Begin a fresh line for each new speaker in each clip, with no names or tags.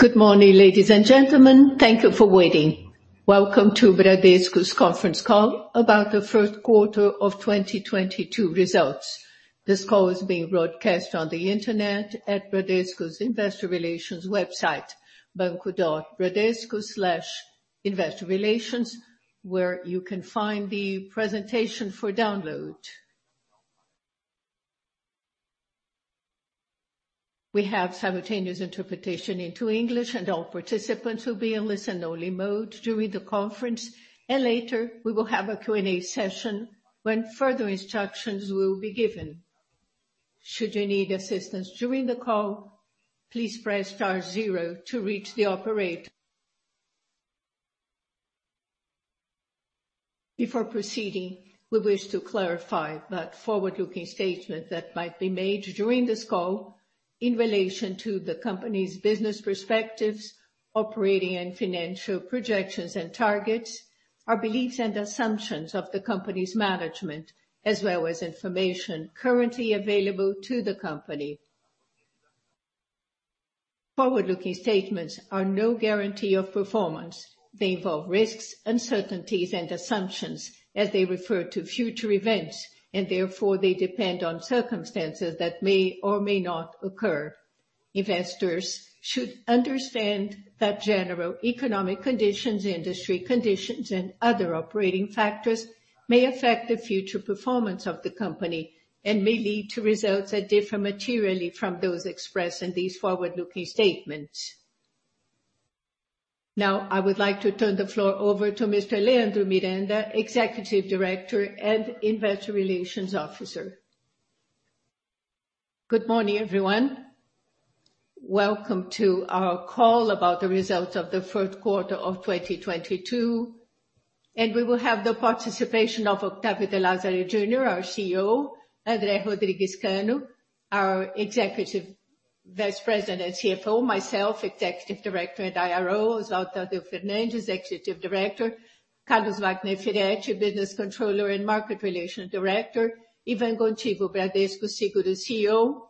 Good morning, ladies and gentlemen. Thank you for waiting. Welcome to Bradesco's conference call about the first quarter of 2022 results. This call is being broadcast on the internet at Bradesco's investor relations website, banco.bradesco/investorrelations, where you can find the presentation for download. We have simultaneous interpretation into English, and all participants will be in listen-only mode during the conference. Later, we will have a Q&A session when further instructions will be given. Should you need assistance during the call, please press star zero to reach the operator. Before proceeding, we wish to clarify that forward-looking statements that might be made during this call in relation to the company's business perspectives, operating and financial projections and targets, are beliefs and assumptions of the company's management, as well as information currently available to the company. Forward-looking statements are no guarantee of performance. They involve risks, uncertainties, and assumptions as they refer to future events, and therefore, they depend on circumstances that may or may not occur. Investors should understand that general economic conditions, industry conditions, and other operating factors may affect the future performance of the company and may lead to results that differ materially from those expressed in these forward-looking statements. Now, I would like to turn the floor over to Mr. Leandro Miranda, Executive Director and Investor Relations Officer.
Good morning, everyone. Welcome to our call about the results of the first quarter of 2022, and we will have the participation of Octavio de Lazari Junior, our CEO, André Rodrigues Cano, our Executive Vice President and CFO, myself, Executive Director and IRO, Oswaldo Tadeu Fernandes, Executive Director, Carlos Firetti, Business Controller and Market Relations Director, Ivan Gontijo, Bradesco Seguros CEO,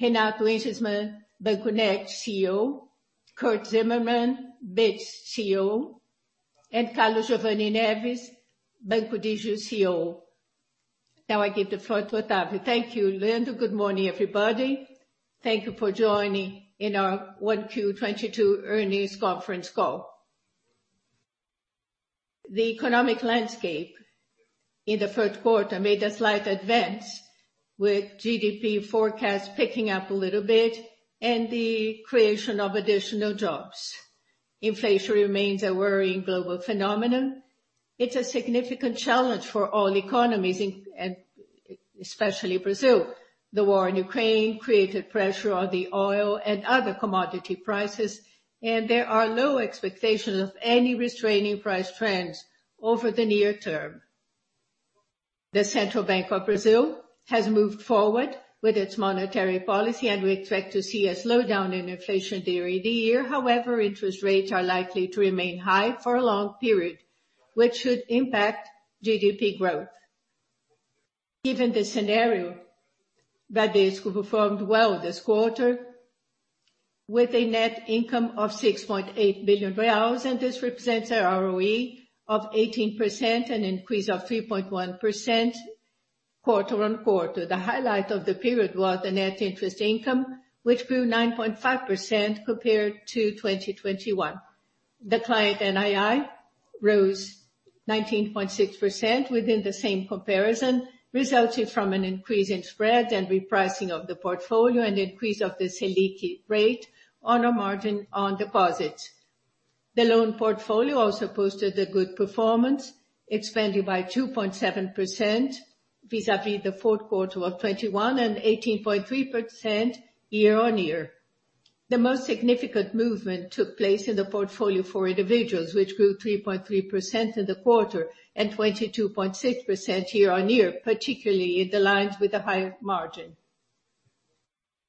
Renato Ejnisman, Banco Next CEO, Curt Zimmermann, Bitz CEO, and Carlos Giovane Neves, Banco Digio CEO. Now I give the floor to Octavio.
Thank you, Leandro. Good morning, everybody. Thank you for joining in our 1Q 2022 earnings conference call. The economic landscape in the first quarter made a slight advance with GDP forecast picking up a little bit and the creation of additional jobs. Inflation remains a worrying global phenomenon. It's a significant challenge for all economies, and especially Brazil. The war in Ukraine created pressure on the oil and other commodity prices, and there are low expectations of any restraining price trends over the near term. The Central Bank of Brazil has moved forward with its monetary policy, and we expect to see a slowdown in inflation during the year. However, interest rates are likely to remain high for a long period, which should impact GDP growth. Given the scenario, Bradesco performed well this quarter with a net income of 6.8 billion reais, and this represents a ROE of 18%, an increase of 3.1% quarter-on-quarter. The highlight of the period was the net interest income, which grew 9.5% compared to 2021. The client NII rose 19.6% within the same comparison, resulting from an increase in spread and repricing of the portfolio and increase of the SELIC rate on a margin on deposits. The loan portfolio also posted a good performance. It's valued by 2.7% vis-à-vis the fourth quarter of 2021 and 18.3% year-on-year. The most significant movement took place in the portfolio for individuals, which grew 3.3% in the quarter and 22.6% year-on-year, particularly in the lines with a higher margin.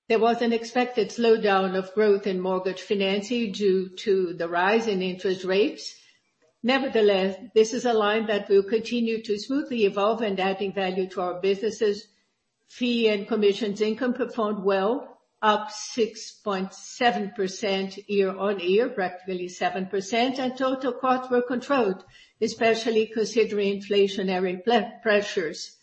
There was an expected slowdown of growth in mortgage financing due to the rise in interest rates. Nevertheless, this is a line that will continue to smoothly evolve in adding value to our businesses. Fee and commission income performed well, up 6.7% year-on-year, practically 7%, and total costs were controlled, especially considering inflationary pressures.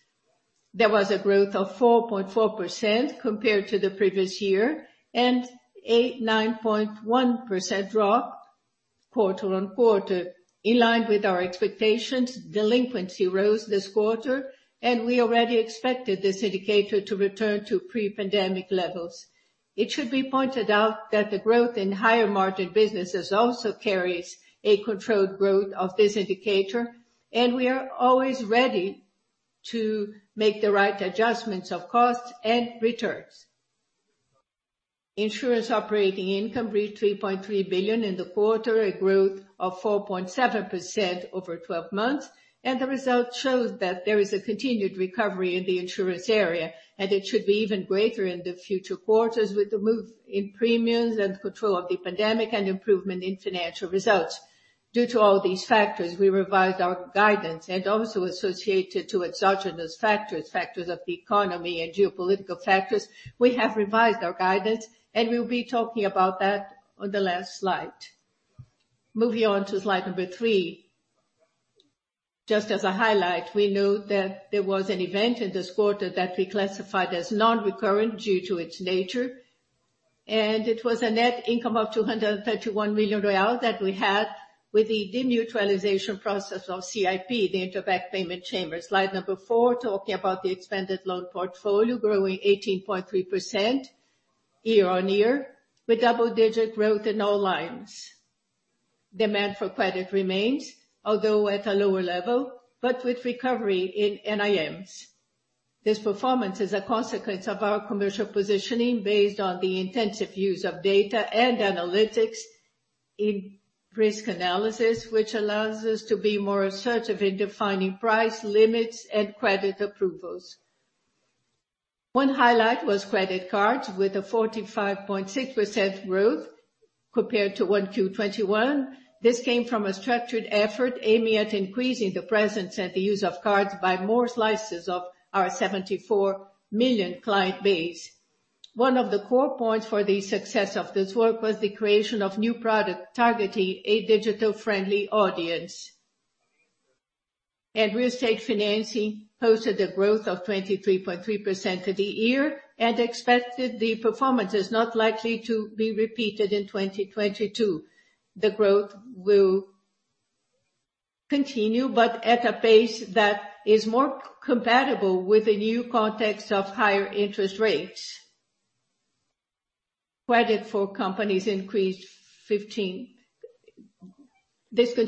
There was a growth of 4.4% compared to the previous year and a 9.1% drop quarter-on-quarter. In line with our expectations, delinquency rose this quarter, and we already expected this indicator to return to pre-pandemic levels. It should be pointed out that the growth in higher margin businesses also carries a controlled growth of this indicator, and we are always ready to make the right adjustments of costs and returns. Insurance operating income reached 3.3 billion in the quarter, a growth of 4.7% over twelve months. The results shows that there is a continued recovery in the insurance area, and it should be even greater in the future quarters with the move in premiums and control of the pandemic and improvement in financial results. Due to all these factors, we revised our guidance and also associated to exogenous factors of the economy and geopolitical factors. We have revised our guidance, and we'll be talking about that on the last slide. Moving on to slide number 3. Just as a highlight, we know that there was an event in this quarter that we classified as non-recurrent due to its nature. It was a net income of 231 million real that we had with the demutualization process of CIP, the Interbank Payment Chamber. Slide number four, talking about the expanded loan portfolio growing 18.3% year-on-year, with double-digit growth in all lines. Demand for credit remains, although at a lower level, but with recovery in NIMs. This performance is a consequence of our commercial positioning based on the intensive use of data and analytics in risk analysis, which allows us to be more assertive in defining price limits and credit approvals. One highlight was credit cards with a 45.6% growth compared to 1Q21. This came from a structured effort aiming at increasing the presence and the use of cards by more slices of our 74 million client base. One of the core points for the success of this work was the creation of new product targeting a digital-friendly audience. Real estate financing posted a growth of 23.3% for the year and we expect the performance is not likely to be repeated in 2022. The growth will continue, but at a pace that is more compatible with the new context of higher interest rates. This continues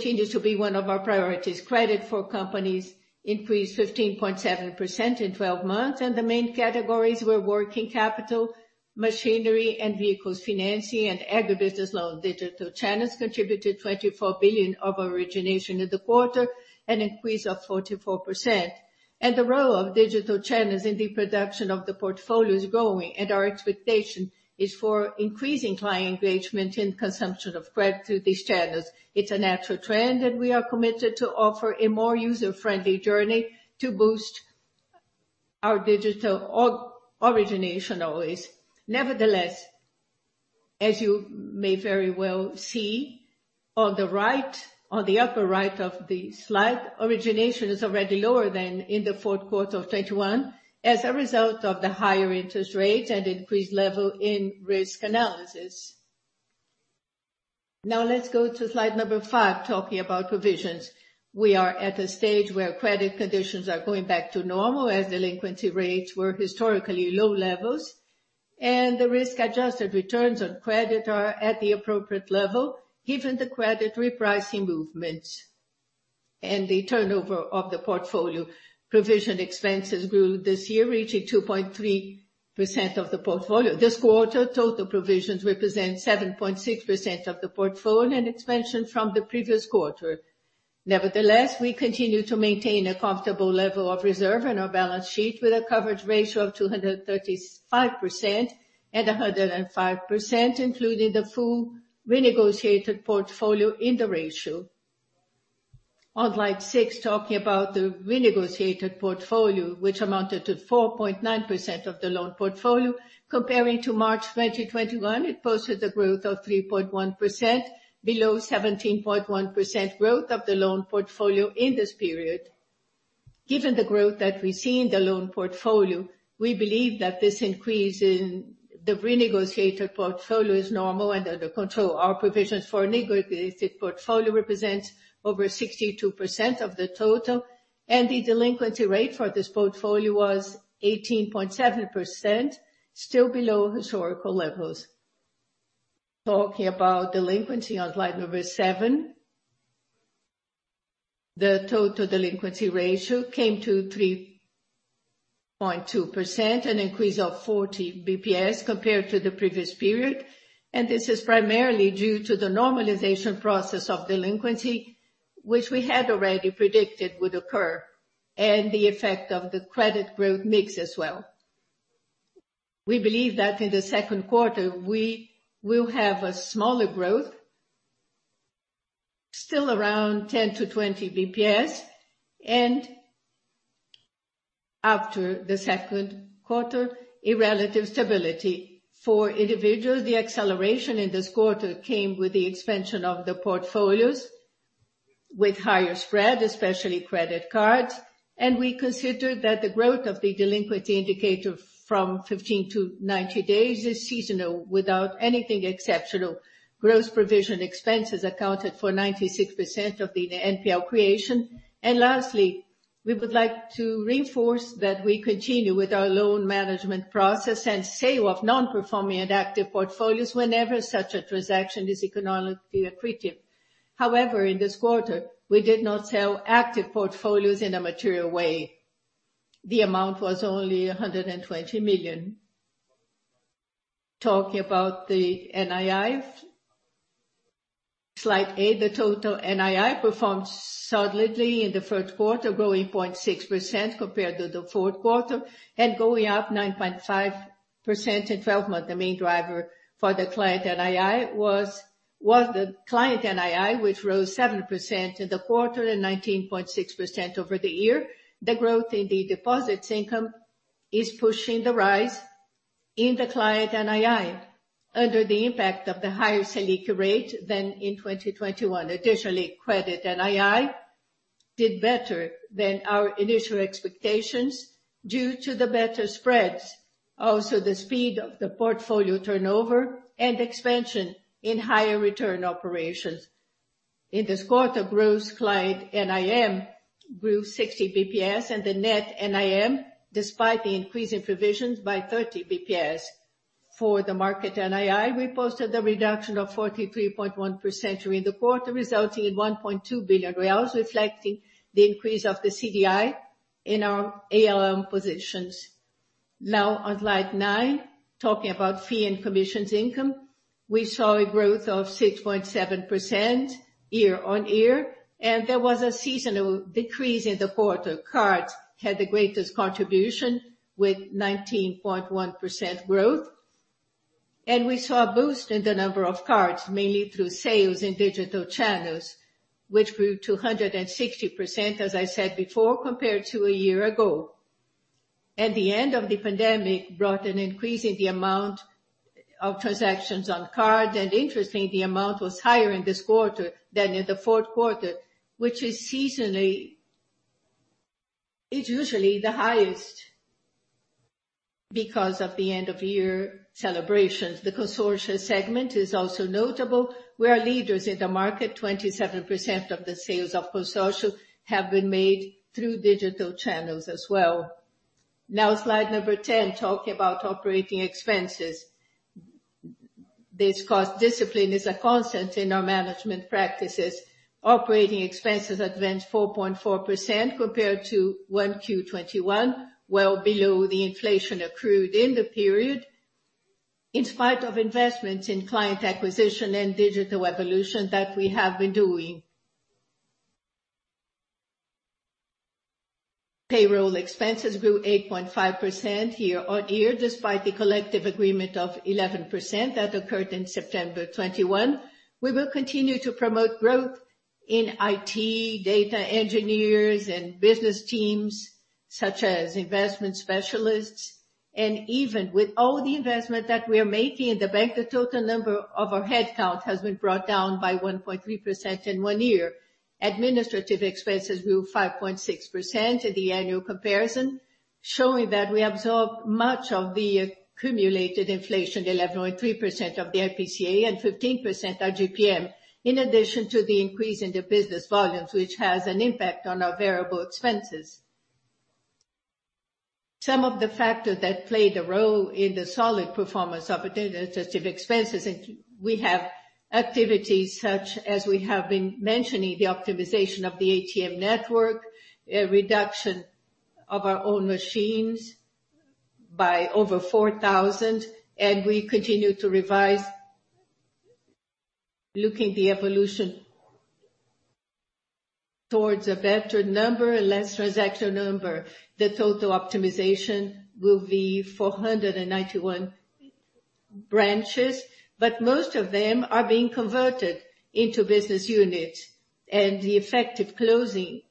to be one of our priorities. Credit for companies increased 15.7% in 12 months, and the main categories were working capital, machinery and vehicles financing, and agribusiness loans. Digital channels contributed 24 billion of origination in the quarter, an increase of 44%. The role of digital channels in the production of the portfolio is growing, and our expectation is for increasing client engagement in consumption of credit through these channels. It's a natural trend, and we are committed to offer a more user-friendly journey to boost our digital origination always. Nevertheless, as you may very well see on the right, on the upper right of the slide, origination is already lower than in the fourth quarter of 2021 as a result of the higher interest rates and increased level in risk analysis. Now let's go to slide number five, talking about provisions. We are at a stage where credit conditions are going back to normal as delinquency rates were historically low levels, and the risk-adjusted returns on credit are at the appropriate level given the credit repricing movements and the turnover of the portfolio. Provision expenses grew this year reaching 2.3% of the portfolio. This quarter, total provisions represent 7.6% of the portfolio, an expansion from the previous quarter. Nevertheless, we continue to maintain a comfortable level of reserve in our balance sheet with a coverage ratio of 235% and 105%, including the full renegotiated portfolio in the ratio. On slide six, talking about the renegotiated portfolio, which amounted to 4.9% of the loan portfolio. Comparing to March 2021, it posted a growth of 3.1% below 17.1% growth of the loan portfolio in this period. Given the growth that we see in the loan portfolio, we believe that this increase in the renegotiated portfolio is normal and under control. Our provisions for a negotiated portfolio represents over 62% of the total, and the delinquency rate for this portfolio was 18.7%, still below historical levels. Talking about delinquency on slide number seven. The total delinquency ratio came to 3.2%, an increase of 40 BPS compared to the previous period. This is primarily due to the normalization process of delinquency, which we had already predicted would occur, and the effect of the credit growth mix as well. We believe that in the second quarter we will have a smaller growth, still around 10-20 BPS. After the second quarter, a relative stability. For individuals, the acceleration in this quarter came with the expansion of the portfolios with higher spread, especially credit cards. We consider that the growth of the delinquency indicator from 15-90 days is seasonal without anything exceptional. Gross provision expenses accounted for 96% of the NPL creation. Lastly, we would like to reinforce that we continue with our loan management process and sale of non-performing and active portfolios whenever such a transaction is economically accretive. However, in this quarter, we did not sell active portfolios in a material way. The amount was only 120 million. Talking about the NII. Slide 8, the total NII performed solidly in the first quarter, growing 0.6% compared to the fourth quarter and going up 9.5% in 12 months. The main driver for the client NII was the client NII, which rose 7% in the quarter and 19.6% over the year. The growth in the deposits income is pushing the rise in the client NII, under the impact of the higher SELIC rate than in 2021. Credit NII did better than our initial expectations due to the better spreads. The speed of the portfolio turnover and expansion in higher return operations. In this quarter, gross client NIM grew 60 BPS and the net NIM, despite the increase in provisions by 30 BPS. For the market NII, we posted the reduction of 43.1% during the quarter, resulting in BRL 1.2 billion, reflecting the increase of the CDI in our ALM positions. Now on slide nine, talking about fee and commission income. We saw a growth of 6.7% year-on-year, and there was a seasonal decrease in the quarter. Cards had the greatest contribution with 19.1% growth. We saw a boost in the number of cards, mainly through sales in digital channels, which grew 260%, as I said before, compared to a year ago. At the end of the pandemic brought an increase in the amount of transactions on card. Interesting, the amount was higher in this quarter than in the fourth quarter, which is seasonally. It's usually the highest because of the end of year celebrations. The Consórcio segment is also notable. We are leaders in the market. 27% of the sales of Consórcio have been made through digital channels as well. Now slide number 10, talking about operating expenses. This cost discipline is a constant in our management practices. Operating expenses advanced 4.4% compared to 1Q21, well below the inflation accrued in the period, in spite of investments in client acquisition and digital evolution that we have been doing. Payroll expenses grew 8.5% year-on-year, despite the collective agreement of 11% that occurred in September 2021. We will continue to promote growth in IT, data engineers and business teams such as investment specialists. Even with all the investment that we are making in the bank, the total number of our headcount has been brought down by 1.3% in one year. Administrative expenses grew 5.6% in the annual comparison, showing that we absorbed much of the accumulated inflation, 11.3% of the IPCA and 15% IGP-M, in addition to the increase in the business volumes, which has an impact on our variable expenses. Some of the factors that played a role in the solid performance of administrative expenses, and we have activities such as we have been mentioning, the optimization of the ATM network, a reduction of our own machines by over 4,000, and we continue to revise looking the evolution towards a better number and less transaction number. The total optimization will be 491 branches, but most of them are being converted into business units. The effective closing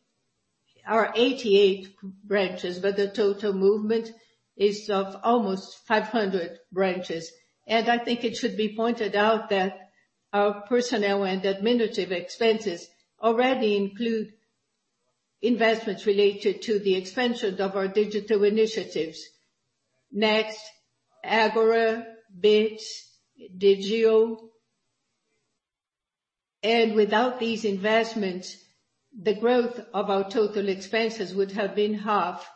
are 88 branches, but the total movement is of almost 500 branches. I think it should be pointed out that our personnel and administrative expenses already include investments related to the expansion of our digital initiatives. Next, Ágora, Bitz, Digio. Without these investments, the growth of our total expenses would have been half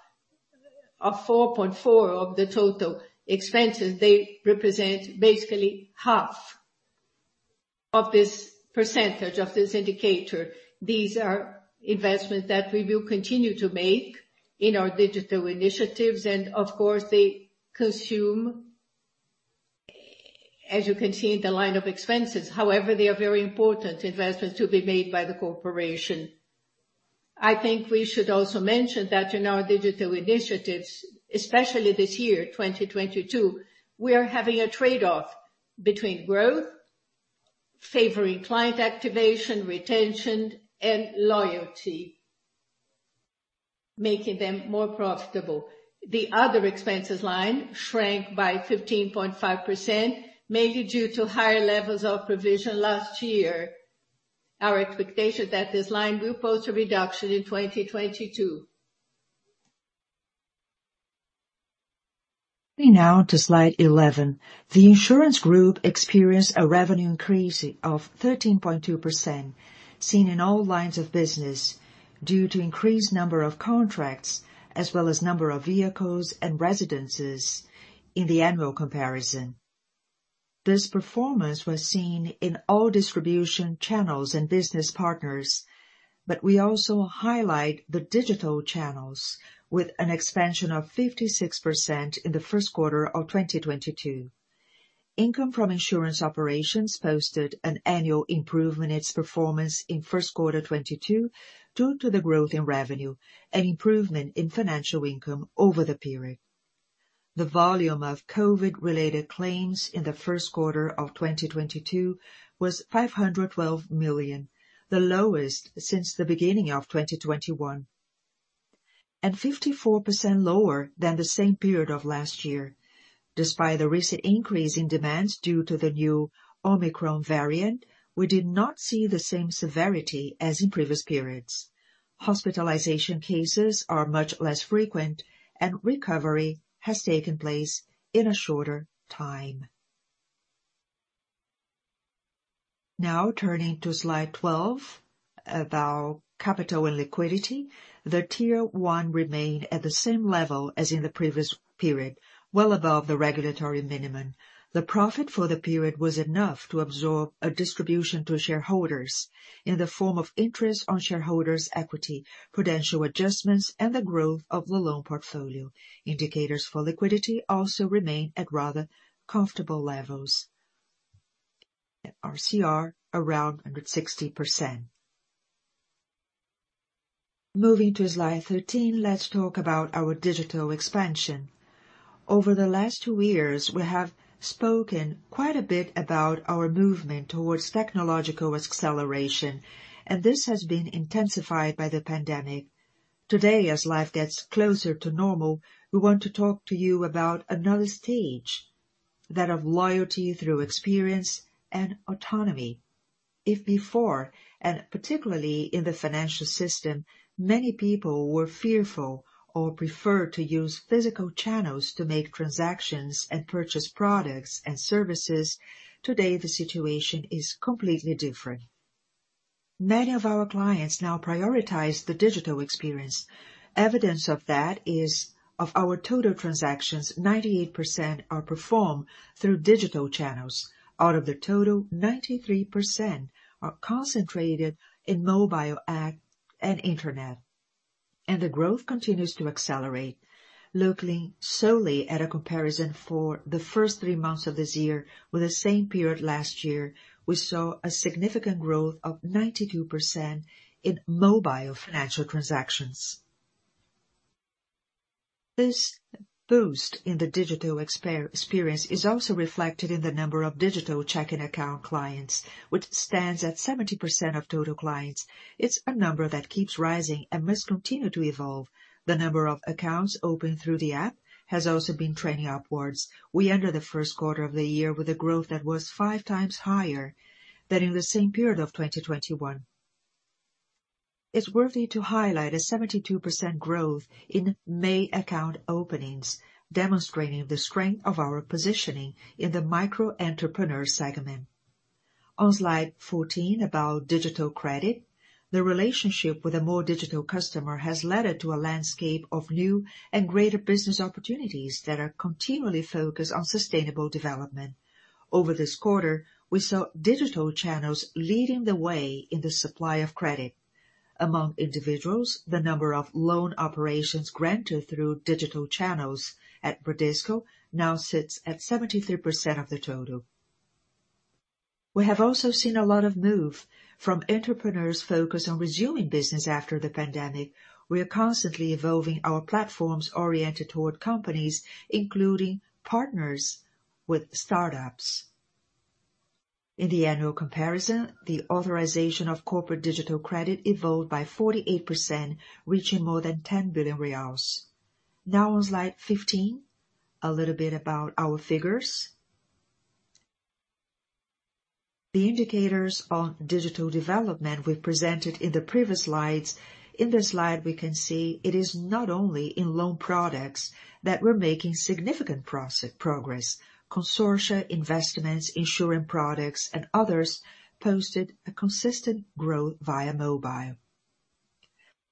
of 4.4% of the total expenses. They represent basically half of this percentage, of this indicator. These are investments that we will continue to make in our digital initiatives. Of course, they consume, as you can see in the line of expenses. However, they are very important investments to be made by the corporation. I think we should also mention that in our digital initiatives, especially this year, 2022, we are having a trade-off between growth, favoring client activation, retention, and loyalty, making them more profitable. The other expenses line shrank by 15.5%, mainly due to higher levels of provision last year. Our expectation that this line will post a reduction in 2022. Now to slide 11. The insurance group experienced a revenue increase of 13.2%, seen in all lines of business, due to increased number of contracts as well as number of vehicles and residences in the annual comparison. This performance was seen in all distribution channels and business partners, but we also highlight the digital channels with an expansion of 56% in the first quarter of 2022. Income from insurance operations posted an annual improvement in its performance in first quarter 2022 due to the growth in revenue, an improvement in financial income over the period. The volume of COVID-related claims in the first quarter of 2022 was 512 million, the lowest since the beginning of 2021. 54% lower than the same period of last year. Despite the recent increase in demands due to the new Omicron variant, we did not see the same severity as in previous periods. Hospitalization cases are much less frequent and recovery has taken place in a shorter time. Now turning to slide 12, about capital and liquidity. The Tier 1 remained at the same level as in the previous period, well above the regulatory minimum. The profit for the period was enough to absorb a distribution to shareholders in the form of interest on shareholders' equity, prudential adjustments, and the growth of the loan portfolio. Indicators for liquidity also remain at rather comfortable levels. At LCR, around 160%. Moving to slide 13, let's talk about our digital expansion. Over the last two years, we have spoken quite a bit about our movement towards technological acceleration, and this has been intensified by the pandemic. Today, as life gets closer to normal, we want to talk to you about another stage, that of loyalty through experience and autonomy. If before, and particularly in the financial system, many people were fearful or preferred to use physical channels to make transactions and purchase products and services, today, the situation is completely different. Many of our clients now prioritize the digital experience. Evidence of that is, of our total transactions, 98% are performed through digital channels. Out of the total, 93% are concentrated in mobile app and internet, and the growth continues to accelerate. Looking solely at a comparison for the first three months of this year with the same period last year, we saw a significant growth of 92% in mobile financial transactions. This boost in the digital experience is also reflected in the number of digital checking account clients, which stands at 70% of total clients. It's a number that keeps rising and must continue to evolve. The number of accounts opened through the app has also been trending upwards. We entered the first quarter of the year with a growth that was 5x higher than in the same period of 2021. It's worthy to highlight a 72% growth in May account openings, demonstrating the strength of our positioning in the micro-entrepreneur segment. On slide 14 about digital credit. The relationship with a more digital customer has led to a landscape of new and greater business opportunities that are continually focused on sustainable development. Over this quarter, we saw digital channels leading the way in the supply of credit. Among individuals, the number of loan operations granted through digital channels at Bradesco now sits at 73% of the total. We have also seen a lot of movement from entrepreneurs focused on resuming business after the pandemic. We are constantly evolving our platforms oriented toward companies, including partnerships with startups. In the annual comparison, the authorization of corporate digital credit evolved by 48%, reaching more than 10 billion reais. Now on slide 15, a little bit about our figures. The indicators on digital development we presented in the previous slides, in this slide, we can see it is not only in loan products that we're making significant progress. Consórcios, investments, insurance products, and others posted a consistent growth via mobile.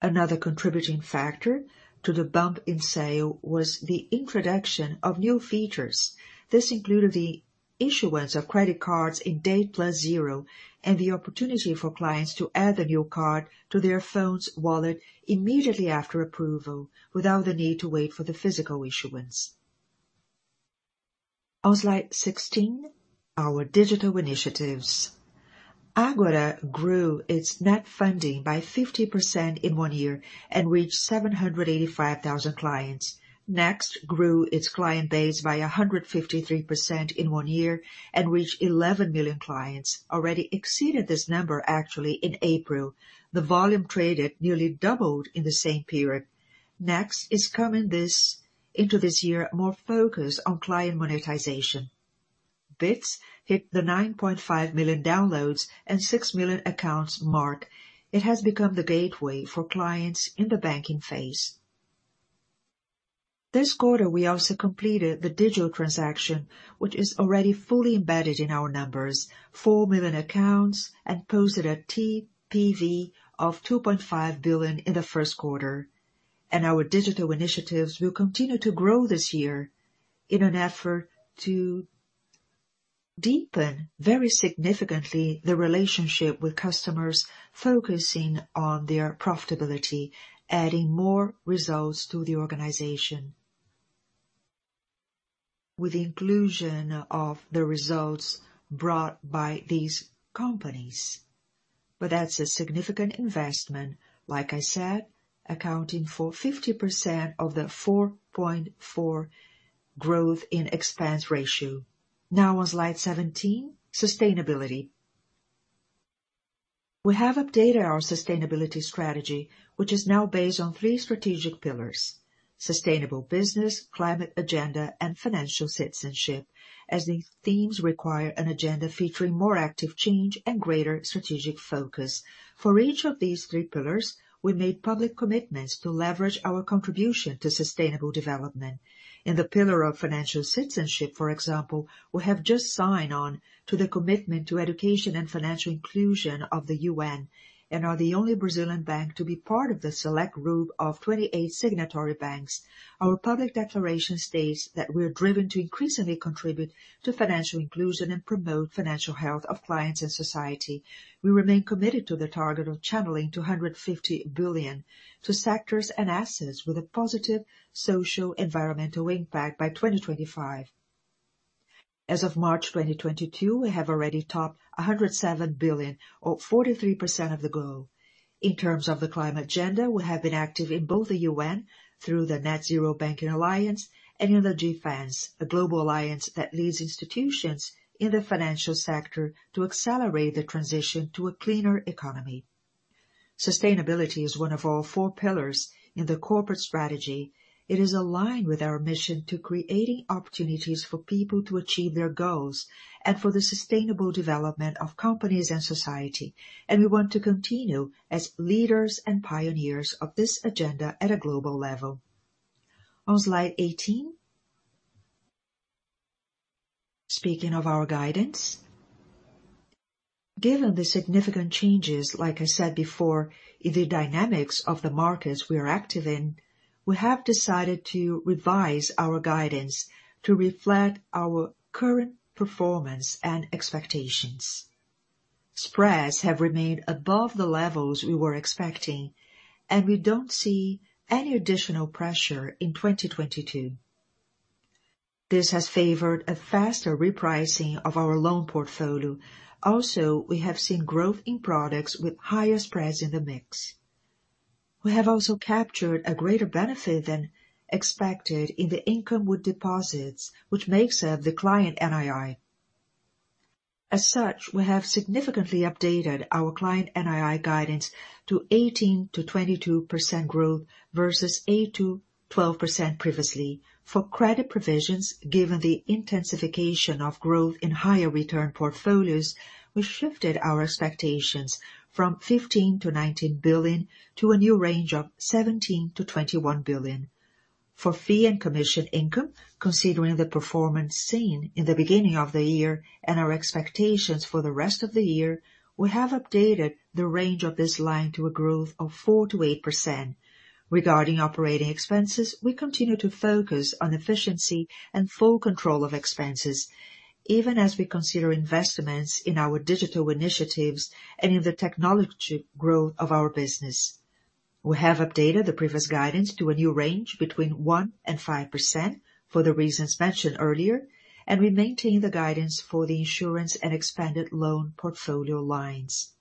Another contributing factor to the bump in sales was the introduction of new features. This included the issuance of credit cards in day plus zero, and the opportunity for clients to add the new card to their phone's wallet immediately after approval, without the need to wait for the physical issuance. On slide 16, our digital initiatives. Ágora grew its net funding by 50% in one year and reached 785,000 clients. Next grew its client base by 153% in one year and reached 11 million clients. Already exceeded this number actually in April. The volume traded nearly doubled in the same period. Next is coming into this year more focused on client monetization. Bitz hit the 9.5 million downloads and 6 million accounts mark. It has become the gateway for clients in the banking space. This quarter, we also completed the digital transaction, which is already fully embedded in our numbers. 4 million accounts and posted a TPV of 2.5 billion in the first quarter. Our digital initiatives will continue to grow this year in an effort to deepen very significantly the relationship with customers, focusing on their profitability, adding more results to the organization. With the inclusion of the results brought by these companies. That's a significant investment, like I said, accounting for 50% of the 4.4 growth in expense ratio. Now on slide 17, sustainability. We have updated our sustainability strategy, which is now based on three strategic pillars, sustainable business, climate agenda, and financial citizenship, as these themes require an agenda featuring more active change and greater strategic focus. For each of these three pillars, we made public commitments to leverage our contribution to sustainable development. In the pillar of financial citizenship, for example, we have just signed on to the commitment to education and financial inclusion of the UN, and are the only Brazilian bank to be part of the select group of 28 signatory banks. Our public declaration states that we're driven to increasingly contribute to financial inclusion and promote financial health of clients and society. We remain committed to the target of channeling 250 billion to sectors and assets with a positive social environmental impact by 2025. As of March 2022, we have already topped 107 billion or 43% of the goal. In terms of the climate agenda, we have been active in both the UN through the Net-Zero Banking Alliance and in the GFANZ, the global alliance that leads institutions in the financial sector to accelerate the transition to a cleaner economy. Sustainability is one of our four pillars in the corporate strategy. It is aligned with our mission to creating opportunities for people to achieve their goals and for the sustainable development of companies and society. We want to continue as leaders and pioneers of this agenda at a global level. On slide 18. Speaking of our guidance, given the significant changes, like I said before, in the dynamics of the markets we are active in, we have decided to revise our guidance to reflect our current performance and expectations. Spreads have remained above the levels we were expecting, and we don't see any additional pressure in 2022. This has favored a faster repricing of our loan portfolio. Also, we have seen growth in products with higher spreads in the mix. We have also captured a greater benefit than expected in the income with deposits, which makes up the client NII. As such, we have significantly updated our client NII guidance to 18%-22% growth versus 8%-12% previously. For credit provisions, given the intensification of growth in higher return portfolios, we shifted our expectations from 15 billion-19 billion, to a new range of 17 billion-21 billion. For fee and commission income, considering the performance seen in the beginning of the year and our expectations for the rest of the year, we have updated the range of this line to a growth of 4%-8%. Regarding operating expenses, we continue to focus on efficiency and full control of expenses, even as we consider investments in our digital initiatives and in the technology growth of our business. We have updated the previous guidance to a new range between 1% and 5% for the reasons mentioned earlier, and we maintain the guidance for the insurance and expanded loan portfolio lines.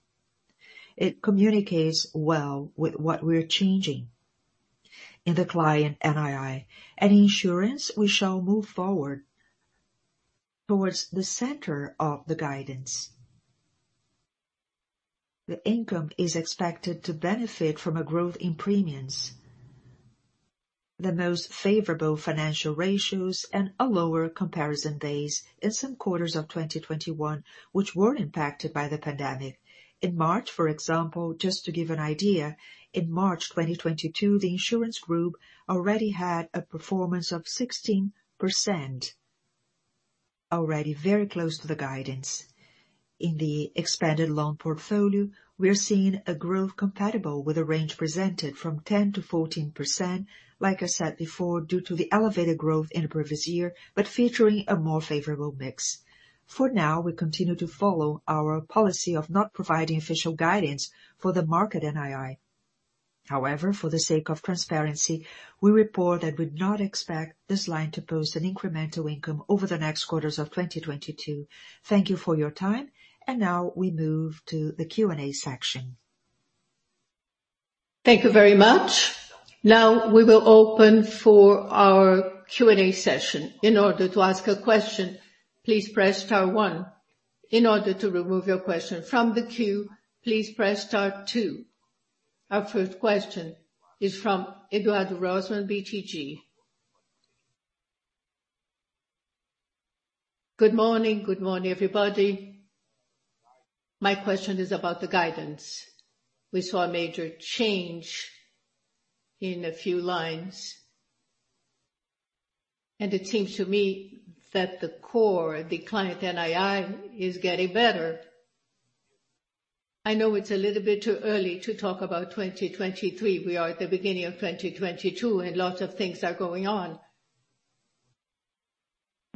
It communicates well with what we're changing. In the client NII and insurance, we shall move forward towards the center of the guidance. The income is expected to benefit from a growth in premiums, the most favorable financial ratios and a lower comparison base in some quarters of 2021, which were impacted by the pandemic. In March, for example, just to give an idea, in March 2022, the insurance group already had a performance of 16%, already very close to the guidance. In the expanded loan portfolio, we're seeing a growth compatible with a range presented from 10%-14%, like I said before, due to the elevated growth in the previous year, but featuring a more favorable mix. For now, we continue to follow our policy of not providing official guidance for the market NII. However, for the sake of transparency, we report that we do not expect this line to post an incremental income over the next quarters of 2022. Thank you for your time, and now we move to the Q&A section.
Thank you very much. Now we will open for our Q&A session. In order to ask a question, please press star one. In order to remove your question from the queue, please press star two. Our first question is from Eduardo Rosman, BTG.
Good morning. Good morning, everybody. My question is about the guidance. We saw a major change in a few lines, and it seems to me that the core, the client NII, is getting better. I know it's a little bit too early to talk about 2023. We are at the beginning of 2022, and lots of things are going on.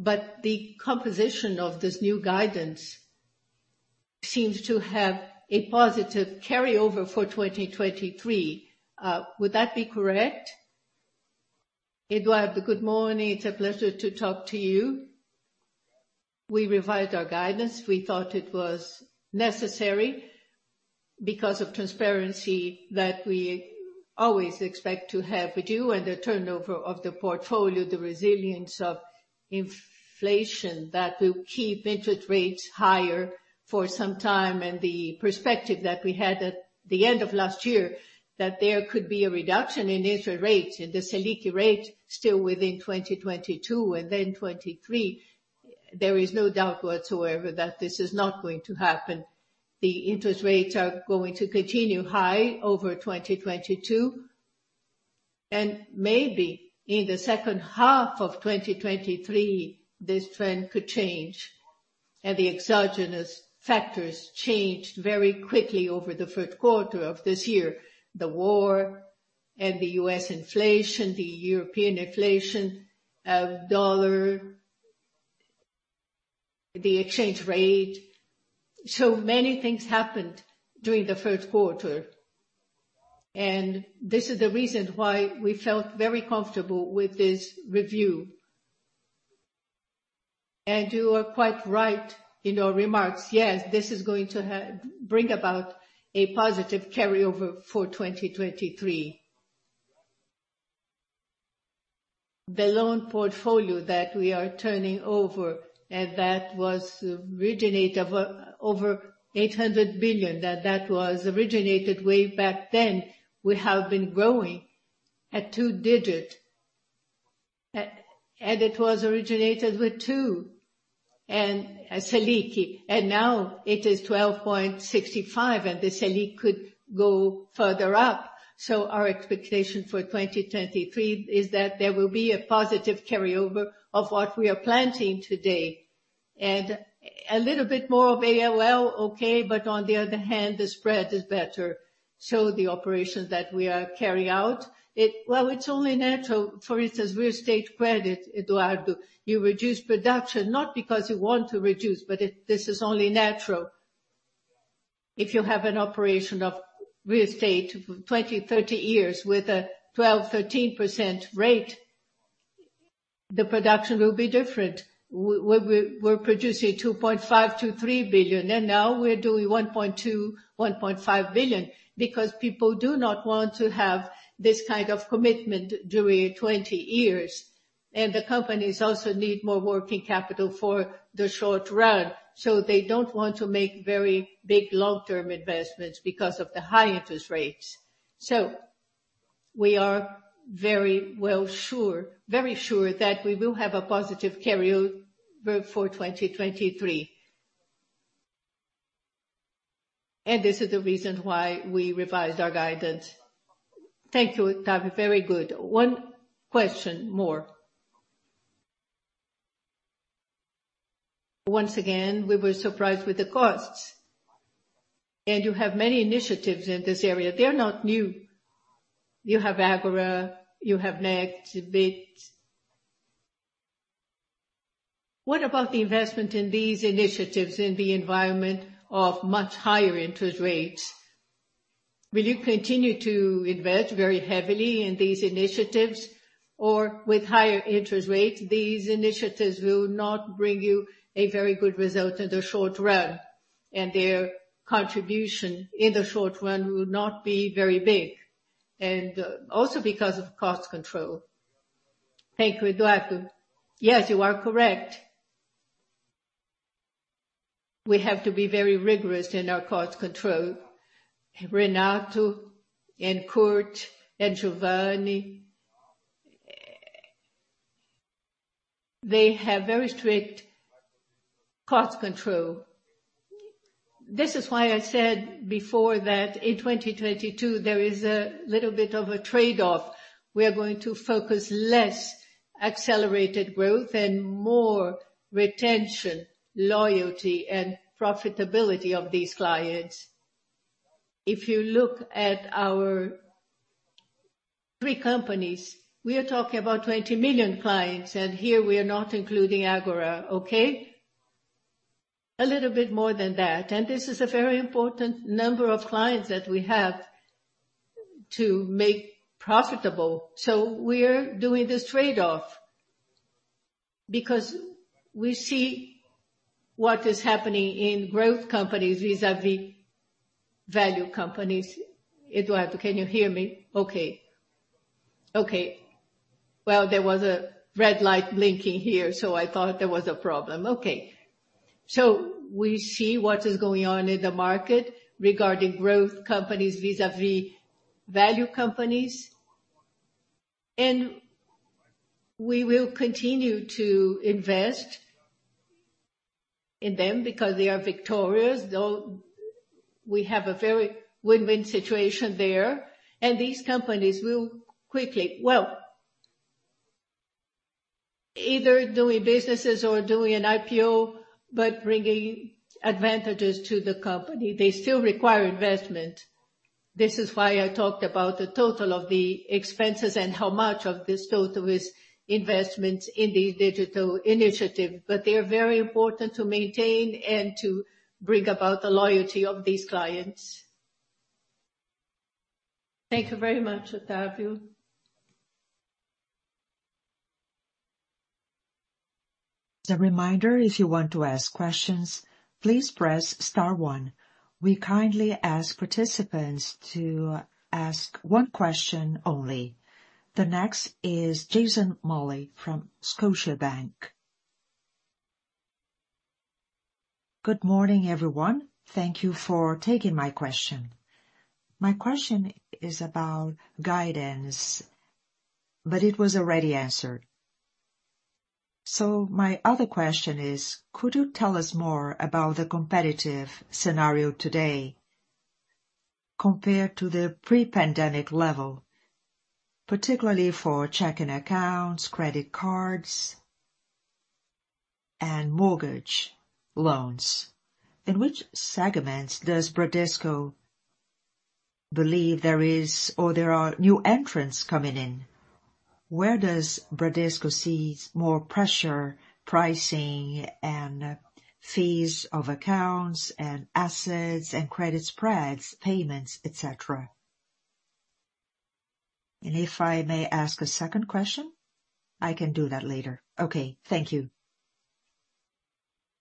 The composition of this new guidance seems to have a positive carryover for 2023. Would that be correct?
Eduardo, good morning. It's a pleasure to talk to you. We revised our guidance. We thought it was necessary because of transparency that we always expect to have, due to the turnover of the portfolio, the resilience of inflation that will keep interest rates higher for some time, and the perspective that we had at the end of last year, that there could be a reduction in interest rates, in the SELIC rate, still within 2022 and then 2023. There is no doubt whatsoever that this is not going to happen. The interest rates are going to continue high over 2022, and maybe in the second half of 2023, this trend could change. The exogenous factors changed very quickly over the first quarter of this year. The war and the U.S. inflation, the European inflation, dollar, the exchange rate. So many things happened during the first quarter. This is the reason why we felt very comfortable with this review. You are quite right in your remarks. Yes, this is going to bring about a positive carryover for 2023. The loan portfolio that we are turning over, and that was originated over 800 billion. That was originated way back then. We have been growing at double-digit. And it was originated with 2% SELIC, and now it is 12.65, and the SELIC could go further up. Our expectation for 2023 is that there will be a positive carryover of what we are planning today. And a little bit more of ALL, okay, but on the other hand, the spread is better. The operations that we are carrying out, well, it's only natural. For instance, real estate credit, Eduardo. You reduce production not because you want to reduce, but this is only natural. If you have an operation of real estate for 20, 30 years with a 12-13% rate, the production will be different. We're producing 2.5-3 billion, and now we're doing 1.2-1.5 billion, because people do not want to have this kind of commitment during 20 years. The companies also need more working capital for the short run, so they don't want to make very big long-term investments because of the high interest rates. We are very sure that we will have a positive carryover for 2023. This is the reason why we revised our guidance.
Thank you, Octavio. Very good. One question more. Once again, we were surprised with the costs. You have many initiatives in this area. They are not new. You have Ágora, you have Next, Bitz. What about the investment in these initiatives in the environment of much higher interest rates? Will you continue to invest very heavily in these initiatives? Or with higher interest rates, these initiatives will not bring you a very good result in the short run, and their contribution in the short run will not be very big, and also because of cost control.
Thank you, Eduardo. Yes, you are correct. We have to be very rigorous in our cost control. Renato and Kurt and Giovanni, they have very strict cost control. This is why I said before that in 2022, there is a little bit of a trade-off. We are going to focus less accelerated growth and more retention, loyalty, and profitability of these clients. If you look at our three companies, we are talking about 20 million clients, and here we are not including Ágora. Okay? A little bit more than that. This is a very important number of clients that we have to make profitable. We're doing this trade-off because we see what is happening in growth companies vis-à-vis value companies. Eduardo, can you hear me okay?
Okay.
Well, there was a red light blinking here, so I thought there was a problem. Okay. We see what is going on in the market regarding growth companies vis-à-vis value companies. We will continue to invest in them because they are victorious, though we have a very win-win situation there. These companies will quickly. Well, either doing businesses or doing an IPO, but bringing advantages to the company. They still require investment. This is why I talked about the total of the expenses and how much of this total is investment in the digital initiative, but they are very important to maintain and to bring about the loyalty of these clients.
Thank you very much, Octavio.
As a reminder, if you want to ask questions, please press star one. We kindly ask participants to ask one question only. The next is Jason Mollin from Scotiabank.
Good morning, everyone. Thank you for taking my question. My question is about guidance, but it was already answered. My other question is, could you tell us more about the competitive scenario today compared to the pre-pandemic level, particularly for checking accounts, credit cards, and mortgage loans? In which segments does Bradesco believe there is or there are new entrants coming in? Where does Bradesco see more pressure pricing and fees of accounts and assets and credit spreads, payments, etc? And if I may ask a second question, I can do that later. Okay, thank you.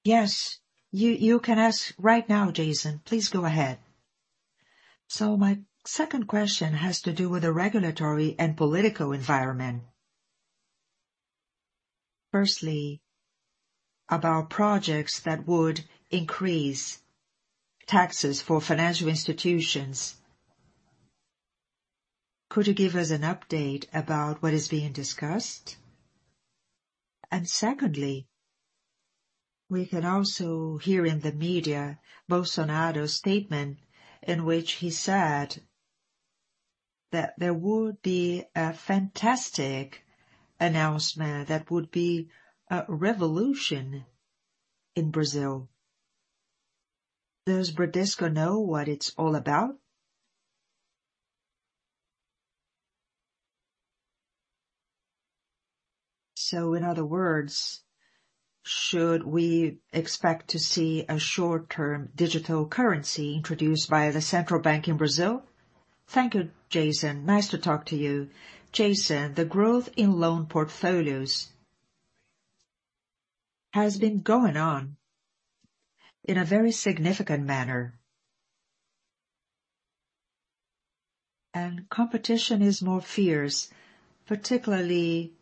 Yes, you can ask right now, Jason. Please go ahead.
My second question has to do with the regulatory and political environment. Firstly, about projects that would increase taxes for financial institutions. Could you give us an update about what is being discussed? Secondly, we can also hear in the media Bolsonaro's statement in which he said that there would be a fantastic announcement that would be a revolution in Brazil. Does Bradesco know what it's all about? In other words, should we expect to see a short-term digital currency introduced by the Central Bank of Brazil?
Thank you, Jason. Nice to talk to you. Jason, the growth in loan portfolios has been going on in a very significant manner. Competition is more fierce, particularly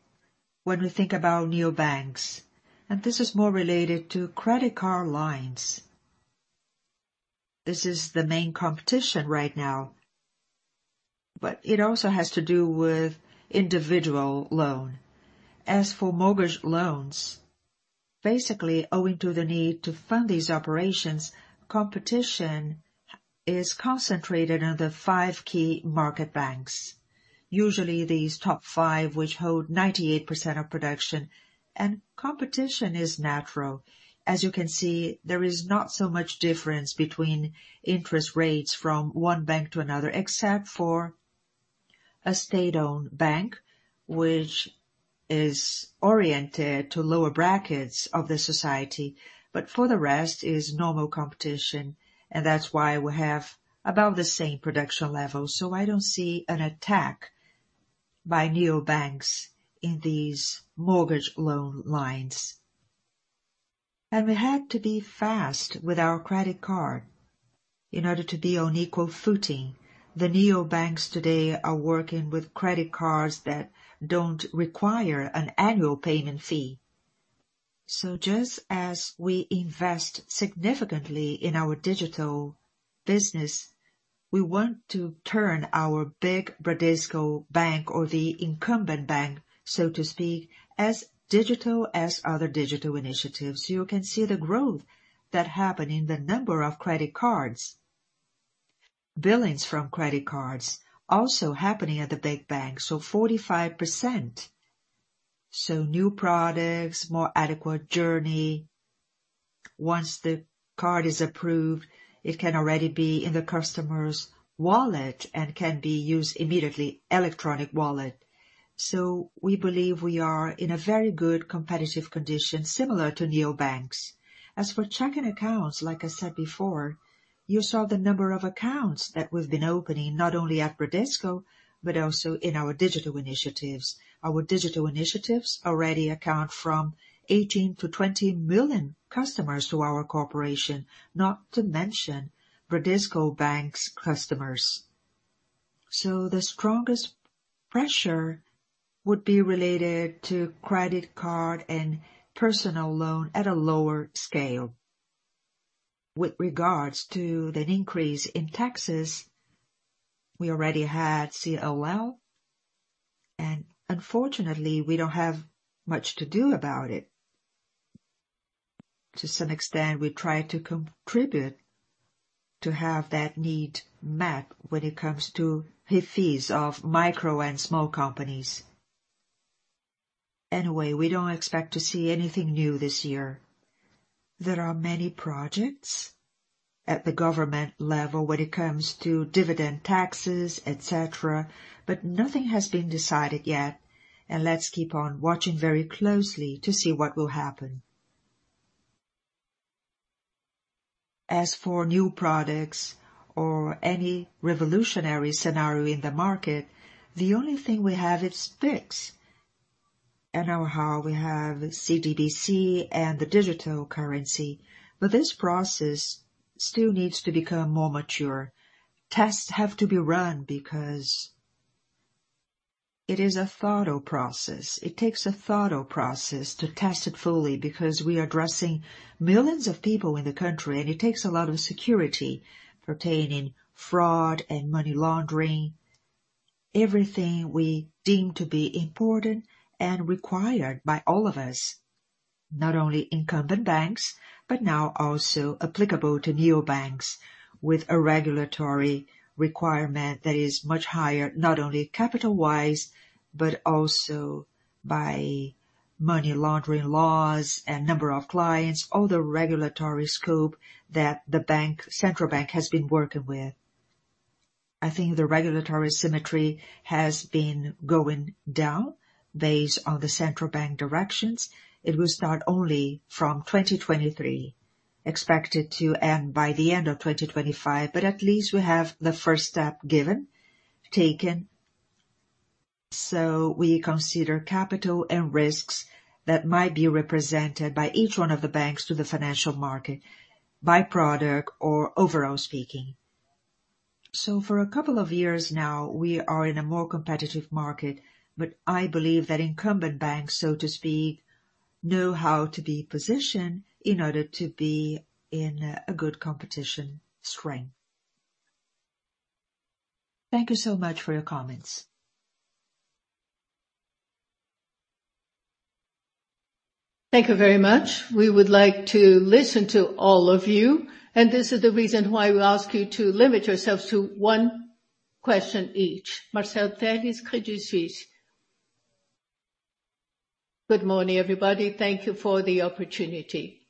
when we think about neobanks. This is more related to credit card lines. This is the main competition right now, but it also has to do with individual loan. As for mortgage loans, basically, owing to the need to fund these operations, competition is concentrated on the five key market banks. Usually, these top five, which hold 98% of production. Competition is natural. As you can see, there is not so much difference between interest rates from one bank to another, except for a state-owned bank, which is oriented to lower brackets of the society. For the rest, it is normal competition, and that's why we have about the same production level. I don't see an attack by neobanks in these mortgage loan lines. We had to be fast with our credit card in order to be on equal footing. The neobanks today are working with credit cards that don't require an annual payment fee. Just as we invest significantly in our digital business, we want to turn our big Bradesco Bank or the incumbent bank, so to speak, as digital as other digital initiatives. You can see the growth that happened in the number of credit cards. Billings from credit cards also happening at the big bank, so 45%. New products, more adequate journey. Once the card is approved, it can already be in the customer's wallet and can be used immediately, electronic wallet. We believe we are in a very good competitive condition similar to neobanks. As for checking accounts, like I said before, you saw the number of accounts that we've been opening, not only at Bradesco, but also in our digital initiatives. Our digital initiatives already account for 18-20 million customers to our corporation, not to mention Bradesco Bank's customers. The strongest pressure would be related to credit card and personal loan at a lower scale. With regards to the increase in taxes, we already had CSLL, and unfortunately, we don't have much to do about it. To some extent, we try to contribute to have that need met when it comes to the fees of micro and small companies. Anyway, we don't expect to see anything new this year. There are many projects at the government level when it comes to dividend taxes, etc, but nothing has been decided yet. Let's keep on watching very closely to see what will happen. As for new products or any revolutionary scenario in the market, the only thing we have is Pix. I know how we have CBDC and the digital currency, but this process still needs to become more mature. Tests have to be run because it is a thought process. It takes a thought process to test it fully, because we are addressing millions of people in the country, and it takes a lot of security pertaining to fraud and money laundering. Everything we deem to be important and required by all of us, not only incumbent banks, but now also applicable to neobanks with a regulatory requirement that is much higher, not only capital-wise, but also by money laundering laws and number of clients, all the regulatory scope that the Central Bank of Brazil has been working with. I think the regulatory symmetry has been going down based on the Central Bank of Brazil directions. It will start only from 2023, expected to end by the end of 2025, but at least we have the first step taken. We consider capital and risks that might be represented by each one of the banks to the financial market, by product or overall speaking. For a couple of years now, we are in a more competitive market, but I believe that incumbent banks, so to speak, know how to be positioned in order to be in a good competitive strength.
Thank you so much for your comments.
Thank you very much. We would like to listen to all of you, and this is the reason why we ask you to limit yourselves to one question each. Marcelo Telles, Credit Suisse.
Good morning, everybody. Thank you for the opportunity.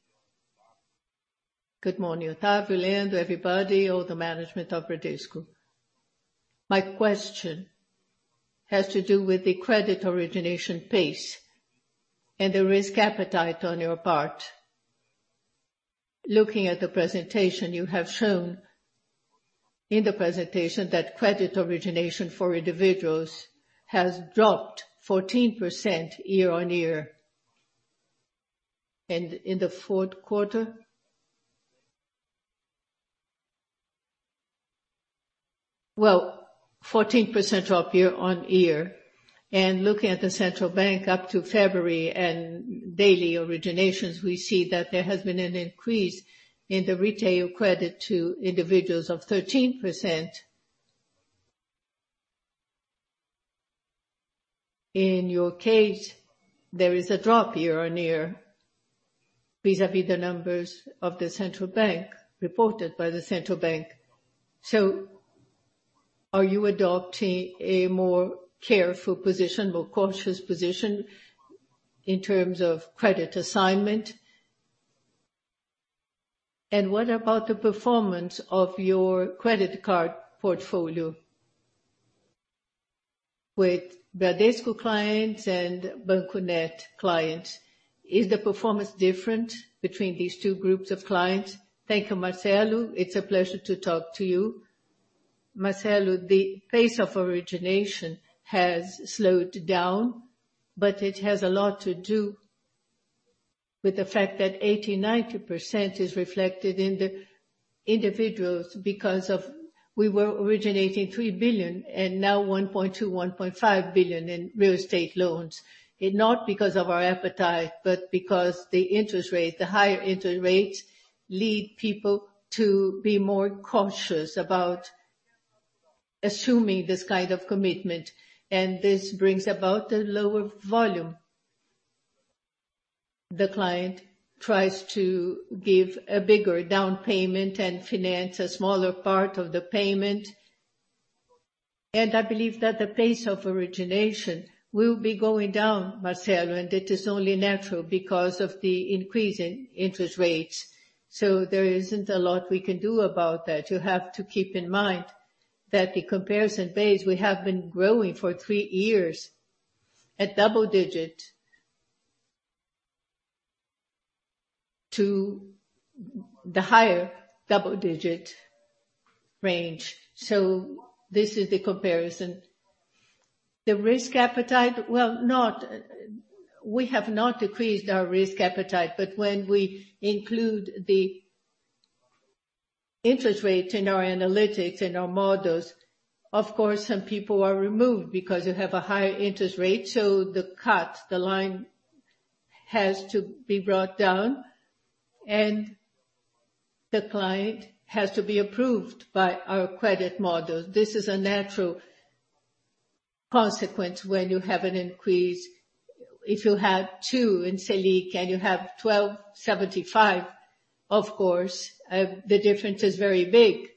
Good morning, Octavio, Leandro, everybody, all the management of Bradesco. My question has to do with the credit origination pace and the risk appetite on your part. Looking at the presentation, you have shown in the presentation that credit origination for individuals has dropped 14% year-on-year. In the fourth quarter, well, 14% drop year-on-year. Looking at the central bank up to February and daily originations, we see that there has been an increase in the retail credit to individuals of 13%. In your case, there is a drop year-on-year vis-à-vis the numbers of the central bank, reported by the central bank. Are you adopting a more careful position, more cautious position in terms of credit assignment? What about the performance of your credit card portfolio with Bradesco clients and Banco Next clients? Is the performance different between these two groups of clients?
Thank you, Marcelo. It's a pleasure to talk to you. Marcelo, the pace of origination has slowed down, but it has a lot to do with the fact that 80%, 90% is reflected in the individuals because we were originating 3 billion and now 1.2 billion, 1.5 billion in real estate loans. It's not because of our appetite, but because the interest rate, the higher interest rates lead people to be more cautious about assuming this kind of commitment, and this brings about a lower volume. The client tries to give a bigger down payment and finance a smaller part of the payment. I believe that the pace of origination will be going down, Marcelo, and it is only natural because of the increase in interest rates. There isn't a lot we can do about that. You have to keep in mind that the comparison base. We have been growing for three years at double digit to the higher double digit range. This is the comparison. The risk appetite. We have not decreased our risk appetite, but when we include the interest rates in our analytics, in our models, of course, some people are removed because you have a higher interest rate. The cut, the line has to be brought down, and the client has to be approved by our credit model. This is a natural consequence when you have an increase. If you have two in SELIC and you have 12.75, of course, the difference is very big.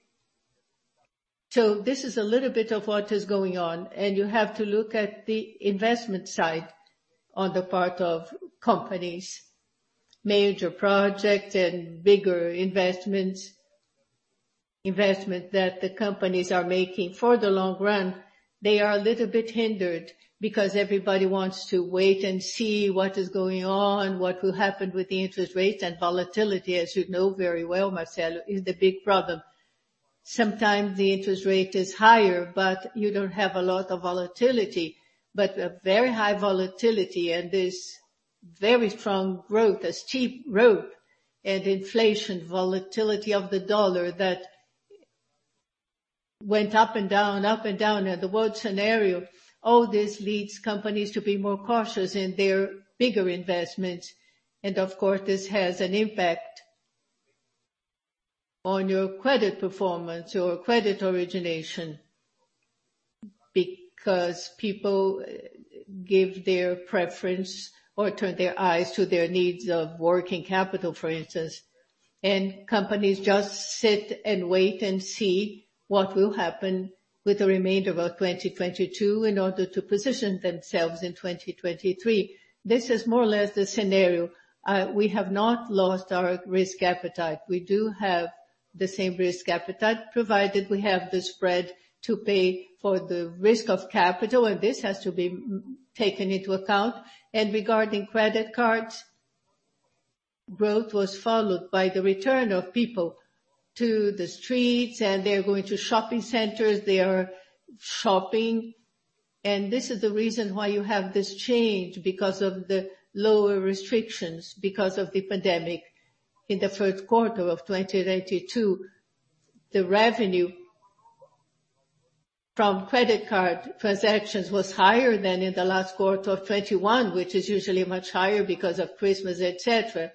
This is a little bit of what is going on, and you have to look at the investment side on the part of companies, major projects and bigger investments that the companies are making for the long run. They are a little bit hindered because everybody wants to wait and see what is going on, what will happen with the interest rates and volatility, as you know very well, Marcelo, is the big problem. Sometimes the interest rate is higher, but you don't have a lot of volatility. A very high volatility and this very strong growth, this cheap growth and inflation, volatility of the dollar that went up and down, and the world scenario, all this leads companies to be more cautious in their bigger investments. Of course, this has an impact on your credit performance, your credit origination, because people give their preference or turn their eyes to their needs of working capital, for instance. Companies just sit and wait and see what will happen with the remainder of our 2022 in order to position themselves in 2023. This is more or less the scenario. We have not lost our risk appetite. We do have the same risk appetite, provided we have the spread to pay for the risk of capital, and this has to be taken into account. Regarding credit cards, growth was followed by the return of people to the streets, and they're going to shopping centers, they are shopping. This is the reason why you have this change because of the lower restrictions because of the pandemic. In the first quarter of 2022, the revenue from credit card transactions was higher than in the last quarter of 2021, which is usually much higher because of Christmas, etc.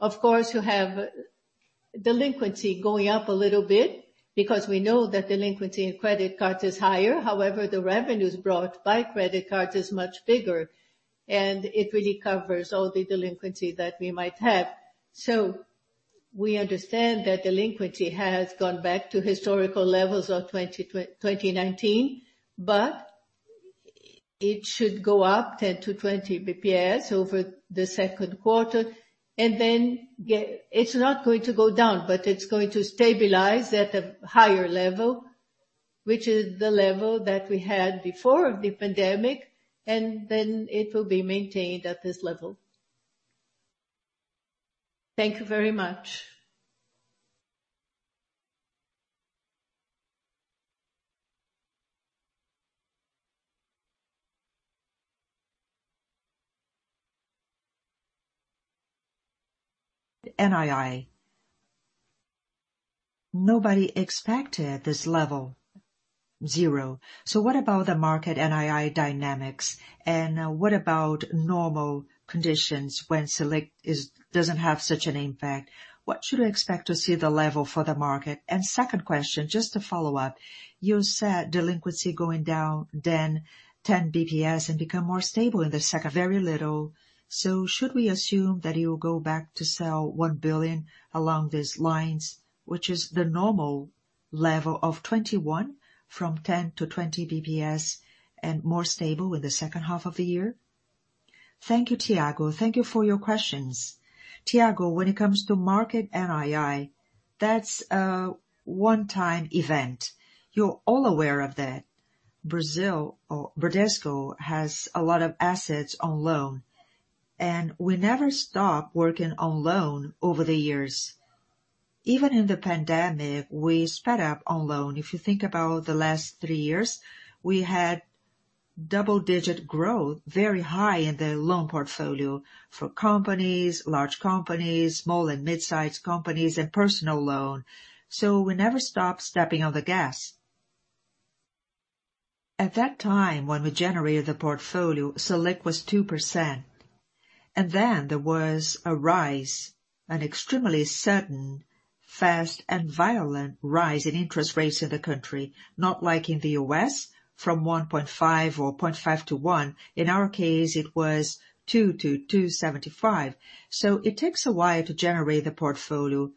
Of course, you have delinquency going up a little bit because we know that delinquency in credit card is higher. However, the revenues brought by credit card is much bigger, and it really covers all the delinquency that we might have. We understand that delinquency has gone back to historical levels of 2019, but it should go up 10-20 basis points over the second quarter. Then get.It's not going to go down, but it's going to stabilize at a higher level, which is the level that we had before the pandemic, and then it will be maintained at this level.
Thank you very much.
The NII. Nobody expected this level, zero. What about the market NII dynamics, and what about normal conditions when SELIC doesn't have such an impact? What should we expect to see the level for the market? Second question, just to follow up, you said delinquency going down then 10 basis points and become more stable in the second half, very little. Should we assume that you'll go back to, say, 1 billion along these lines, which is the normal level of 21 from 10-20 basis points and more stable in the second half of the year? Thank you,
Thiago. Thank you for your questions. Thiago, when it comes to market NII, that's a one-time event. You're all aware of that. Brazil or Bradesco has a lot of assets on loan, and we never stop working on loans over the years. Even in the pandemic, we sped up on loan. If you think about the last three years, we had double-digit growth, very high in the loan portfolio for companies, large companies, small and mid-size companies and personal loan. We never stop stepping on the gas. At that time, when we generated the portfolio, SELIC was 2%, and then there was a rise, an extremely sudden, fast and violent rise in interest rates in the country, not like in the U.S., from 1.5% or 0.5% to 1%. In our case, it was 2% to 2.75%. It takes a while to generate the portfolio.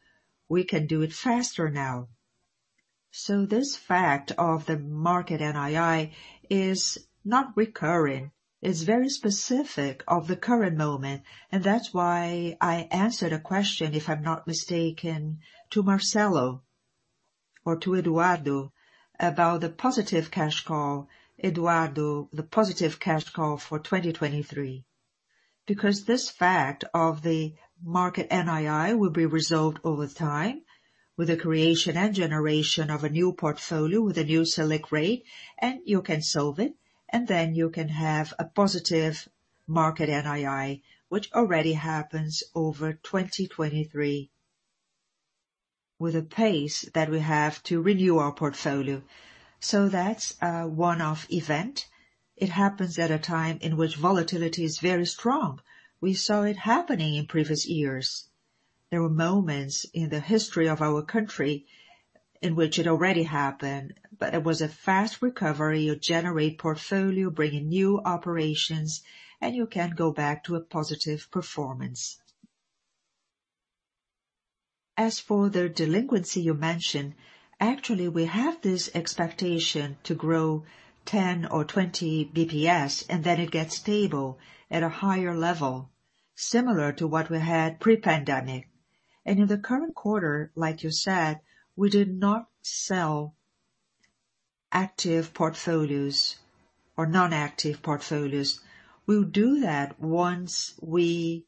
We can do it faster now. This fact of the margin NII is not recurring. It's very specific of the current moment. That's why I answered a question, if I'm not mistaken, to Marcelo Telles or to Eduardo Rosman about the positive cash flow. Eduardo Rosman, the positive cash flow for 2023. Because this fact of the market NII will be resolved over time with the creation and generation of a new portfolio with a new SELIC rate, and you can solve it, and then you can have a positive market NII, which already happens over 2023 with the pace that we have to renew our portfolio. That's a one-off event. It happens at a time in which volatility is very strong. We saw it happening in previous years. There were moments in the history of our country in which it already happened, but it was a fast recovery. You generate portfolio, bring in new operations, and you can go back to a positive performance. As for the delinquency you mentioned, actually, we have this expectation to grow 10 or 20 basis points, and then it gets stable at a higher level. Similar to what we had pre-pandemic. In the current quarter, like you said, we did not sell active portfolios or non-active portfolios. We'll do that once we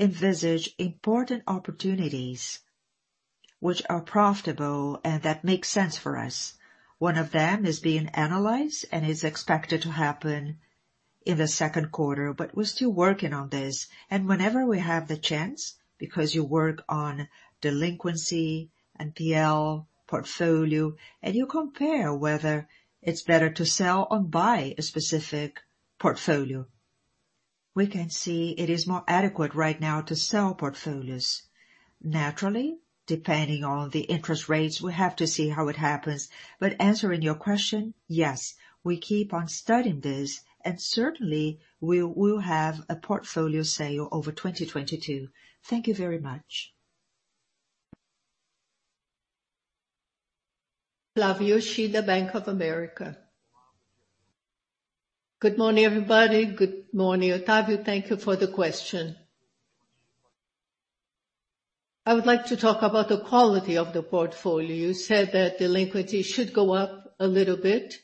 envisage important opportunities which are profitable and that makes sense for us. One of them is being analyzed and is expected to happen in the second quarter, but we're still working on this. Whenever we have the chance, because you work on delinquency, NPL portfolio, and you compare whether it's better to sell or buy a specific portfolio, we can see it is more adequate right now to sell portfolios. Naturally, depending on the interest rates, we have to see how it happens. Answering your question, yes, we keep on studying this, and certainly, we will have a portfolio sale over 2022. Thank you very much.
Flavio Yoshida, Bank of America. Good morning, everybody.
Good morning, Octavio. Thank you for the question. I would like to talk about the quality of the portfolio. You said that delinquency should go up a little bit,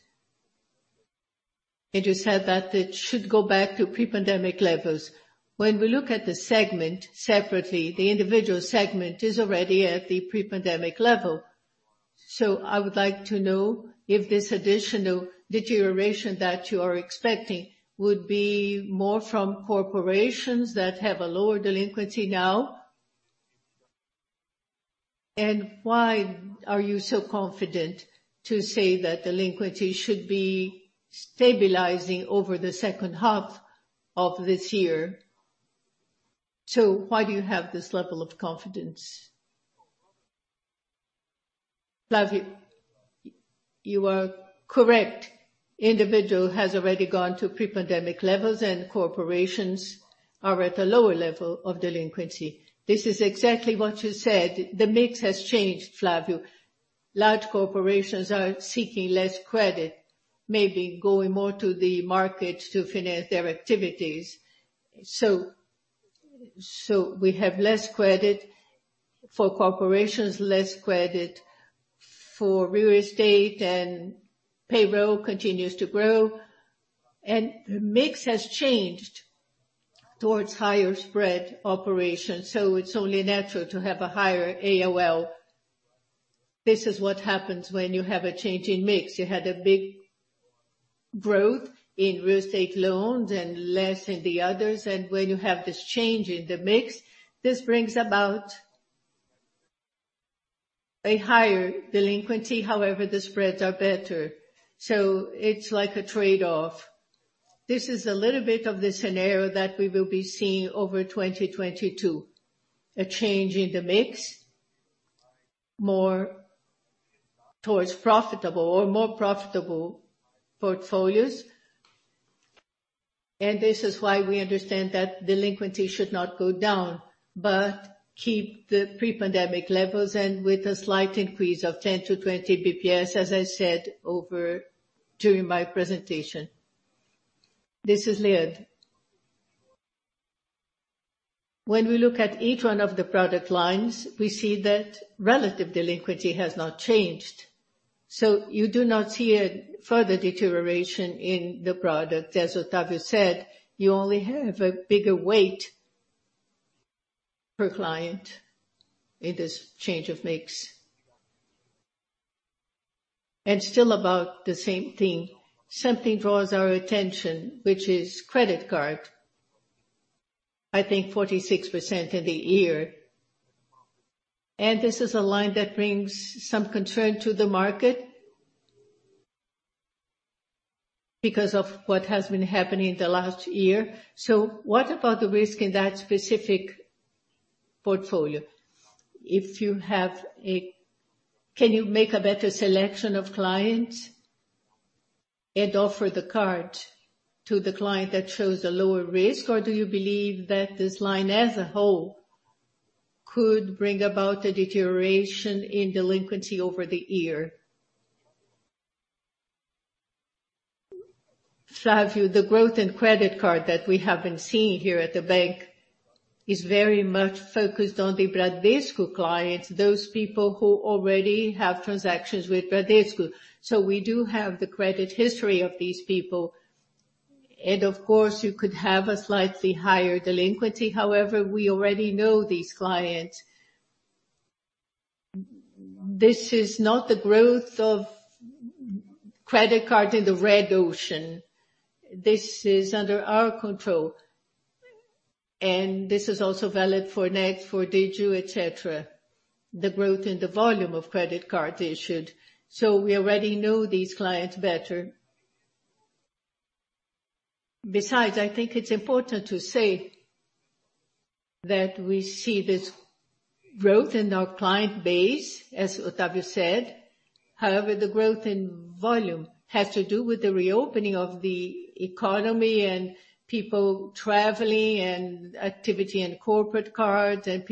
and you said that it should go back to pre-pandemic levels. When we look at the segment separately, the individual segment is already at the pre-pandemic level. I would like to know if this additional deterioration that you are expecting would be more from corporations that have a lower delinquency now. Why are you so confident to say that delinquency should be stabilizing over the second half of this year? Why do you have this level of confidence?
Flavio, you are correct. Individual has already gone to pre-pandemic levels, and corporations are at a lower level of delinquency. This is exactly what you said. The mix has changed, Flavio. Large corporations are seeking less credit, maybe going more to the market to finance their activities. We have less credit for corporations, less credit for real estate, and payroll continues to grow. The mix has changed towards higher spread operations, so it's only natural to have a higher ALL. This is what happens when you have a change in mix. You had a big growth in real estate loans and less in the others. When you have this change in the mix, this brings about a higher delinquency. However, the spreads are better. It's like a trade-off. This is a little bit of the scenario that we will be seeing over 2022, a change in the mix, more towards profitable or more profitable portfolios. This is why we understand that delinquency should not go down, but keep the pre-pandemic levels and with a slight increase of 10-20 BPS, as I said during my presentation.
This is Leandro de Miranda Araujo. When we look at each one of the product lines, we see that relative delinquency has not changed. You do not see a further deterioration in the product. As Octavio said, you only have a bigger weight per client in this change of mix. Still about the same thing, something draws our attention, which is credit card, I think 46% in the year. This is a line that brings some concern to the market because of what has been happening in the last year.
What about the risk in that specific portfolio? If you have a... Can you make a better selection of clients and offer the card to the client that shows a lower risk? Or do you believe that this line as a whole could bring about a deterioration in delinquency over the year?
Flavio, the growth in credit card that we have been seeing here at the bank is very much focused on the Bradesco clients, those people who already have transactions with Bradesco. We do have the credit history of these people. Of course, you could have a slightly higher delinquency. However, we already know these clients. This is not the growth of credit card in the red ocean. This is under our control, and this is also valid for Next, for Digio, etc, the growth in the volume of credit card issued. We already know these clients better. Besides, I think it's important to say that we see this growth in our client base, as Octavio said. However, the growth in volume has to do with the reopening of the economy and people traveling and activity in corporate cards and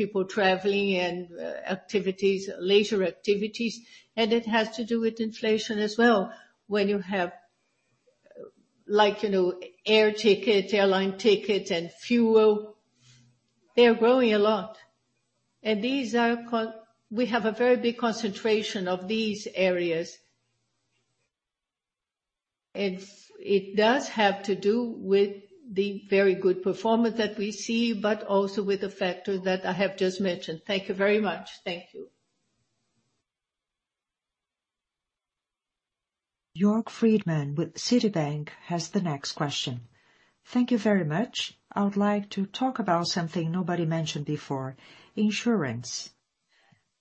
activities, leisure activities, and it has to do with inflation as well. When you have, like, you know, air ticket, airline ticket and fuel. They are growing a lot. These are. We have a very big concentration of these areas. It does have to do with the very good performance that we see, but also with the factor that I have just mentioned. Thank you very much.
Thank you.
Jorge Kuri with Morgan Stanley has the next question.
Thank you very much. I would like to talk about something nobody mentioned before, insurance.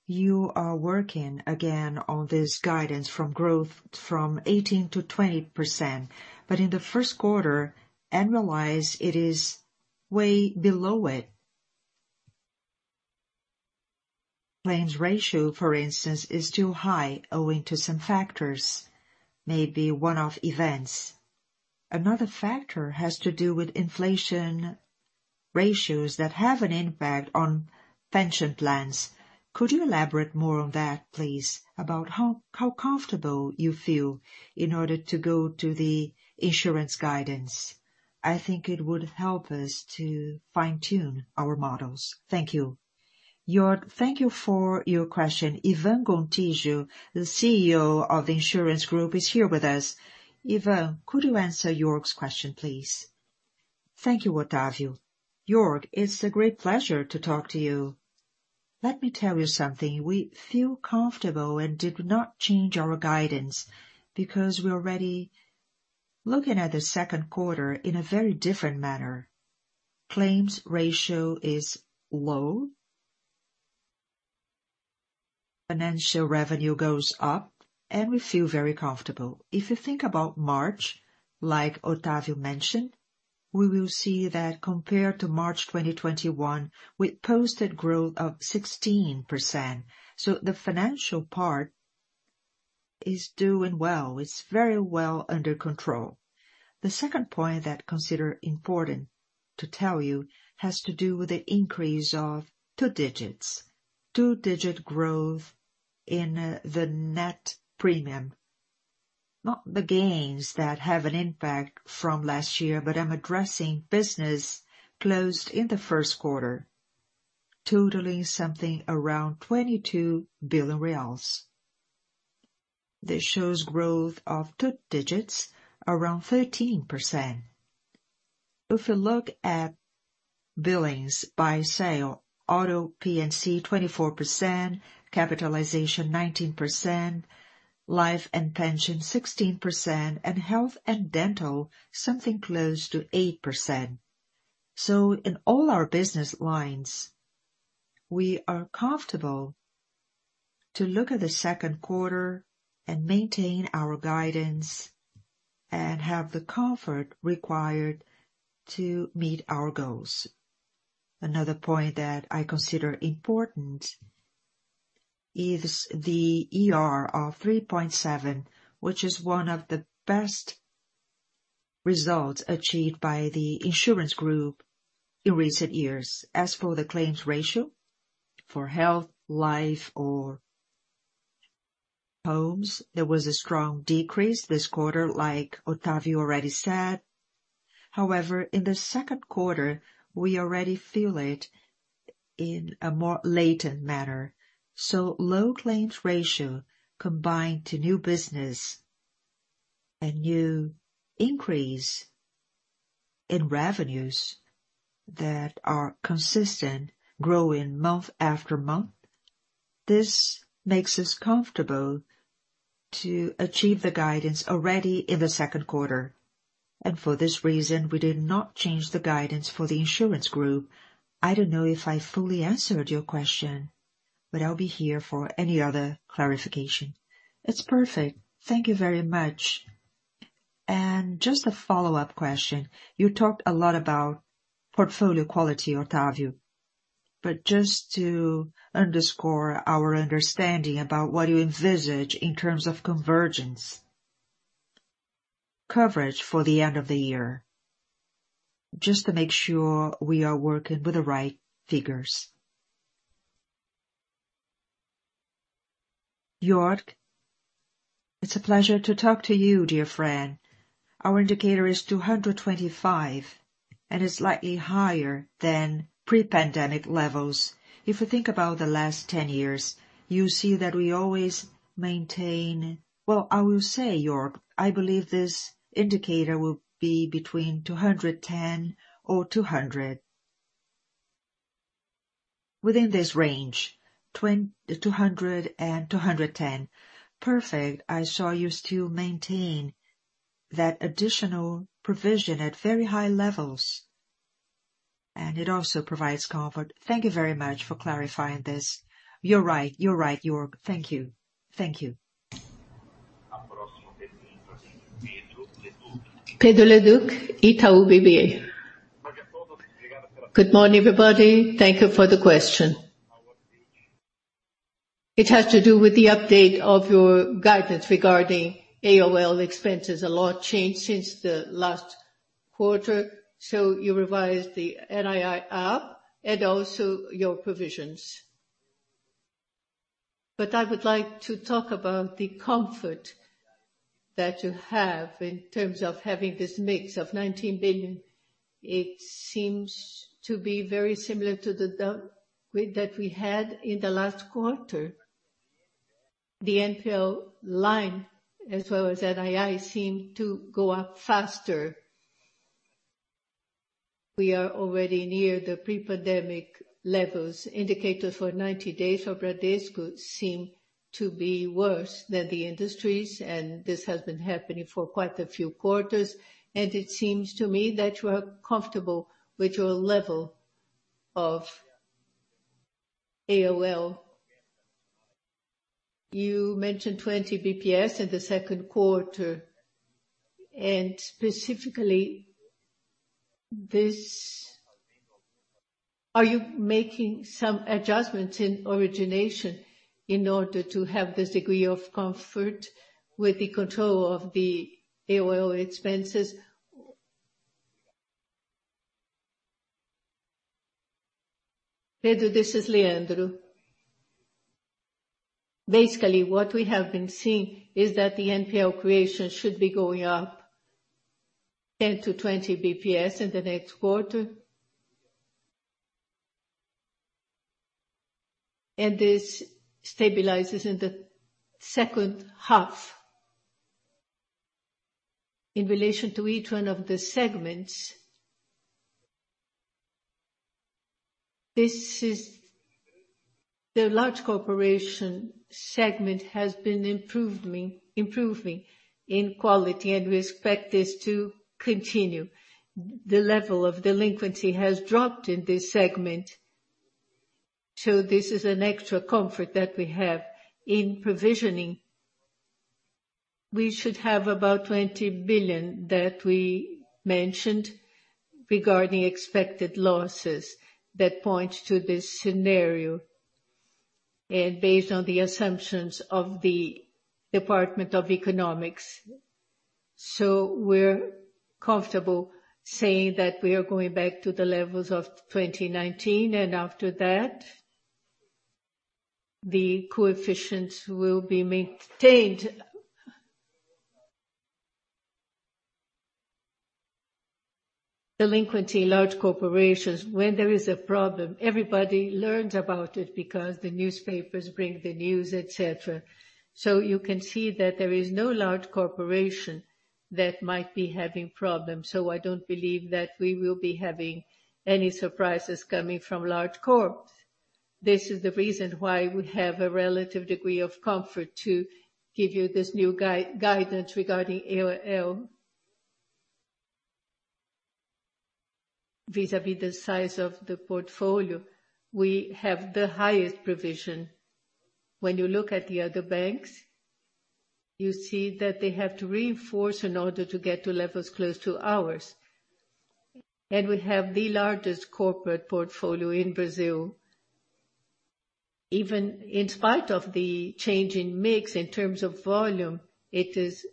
You are working again on this guidance for growth from 18%-20%. In the first quarter, annualized, it is way below it. Claims ratio, for instance, is too high owing to some factors, maybe one-off events. Another factor has to do with inflation rates that have an impact on pension plans. Could you elaborate more on that, please, about how comfortable you feel in order to go to the insurance guidance? I think it would help us to fine-tune our models.
Thank you. Jorge, thank you for your question. Ivan Gontijo, the CEO of Bradesco Seguros, is here with us. Ivan, could you answer Jorge's question, please?
Thank you, Octavio. Jorge, it's a great pleasure to talk to you. Let me tell you something. We feel comfortable and did not change our guidance because we're already looking at the second quarter in a very different manner. Claims ratio is low. Financial revenue goes up, and we feel very comfortable. If you think about March, like Octavio mentioned, we will see that compared to March 2021, we posted growth of 16%. The financial part is doing well. It's very well under control. The second point that I consider important to tell you has to do with the increase of two digits. Two-digit growth in the net premium. Not the gains that have an impact from last year, but I'm addressing business closed in the first quarter, totaling something around 22 billion reais. This shows growth of two digits, around 13%. If you look at billings by sale, auto P&C 24%, capitalization 19%, life and pension 16%, and health and dental, something close to 8%. In all our business lines, we are comfortable to look at the second quarter and maintain our guidance and have the comfort required to meet our goals. Another point that I consider important is the ER of 3.7%, which is one of the best results achieved by the insurance group in recent years. As for the claims ratio for health, life or homes, there was a strong decrease this quarter, like Octavio already said. However, in the second quarter, we already feel it in a more patent manner. Low claims ratio combined to new business and new increase in revenues that are consistent, growing month after month, this makes us comfortable to achieve the guidance already in the second quarter. For this reason, we did not change the guidance for the insurance group. I don't know if I fully answered your question, but I'll be here for any other clarification.
It's perfect. Thank you very much. Just a follow-up question. You talked a lot about portfolio quality, Octavio, but just to underscore our understanding about what you envisage in terms of convergence. Coverage for the end of the year, just to make sure we are working with the right figures.
Jorge, it's a pleasure to talk to you, dear friend. Our indicator is 225, and it's slightly higher than pre-pandemic levels. If you think about the last 10 years, you see that we always maintain. Well, I will say, Jorge, I believe this indicator will be between 210 or 200. Within this range, 200 and 210. Perfect. I saw you still maintain that additional provision at very high levels, and it also provides comfort.
Thank you very much for clarifying this.
You're right. You're right, Jorge. Thank you.
Thank you. Pedro Leduc, Itaú BBA.
Good morning, everybody. Thank you for the question. It has to do with the update of your guidance regarding ALL expenses. A lot changed since the last quarter, so you revised the NII up and also your provisions. I would like to talk about the comfort that you have in terms of having this mix of 19 billion. It seems to be very similar to the debt that we had in the last quarter. The NPL line, as well as NII, seem to go up faster. We are already near the pre-pandemic levels. Indicators for 90 days for Bradesco seem to be worse than the industry's, and this has been happening for quite a few quarters. It seems to me that you are comfortable with your level of ALL. You mentioned 20 basis points in the second quarter. Specifically, this. Are you making some adjustments in origination in order to have this degree of comfort with the control of the ALL expenses?
Pedro, this is Leandro. Basically, what we have been seeing is that the NPL creation should be going up 10-20 BPS in the next quarter. This stabilizes in the second half. In relation to each one of the segments, this is. The large corporation segment has been improving in quality, and we expect this to continue. The level of delinquency has dropped in this segment, so this is an extra comfort that we have in provisioning. We should have about 20 billion that we mentioned regarding expected losses that point to this scenario, and based on the assumptions of the Department of Economics. We're comfortable saying that we are going back to the levels of 2019, and after that, the coefficients will be maintained. Delinquency in large corporations, when there is a problem, everybody learns about it because the newspapers bring the news, etc. You can see that there is no large corporation that might be having problems. I don't believe that we will be having any surprises coming from large corps. This is the reason why we have a relative degree of comfort to give you this new guidance regarding ALL. Vis-à-vis the size of the portfolio, we have the highest provision. When you look at the other banks, you see that they have to reinforce in order to get to levels close to ours. We have the largest corporate portfolio in Brazil. Even in spite of the change in mix in terms of volume, it is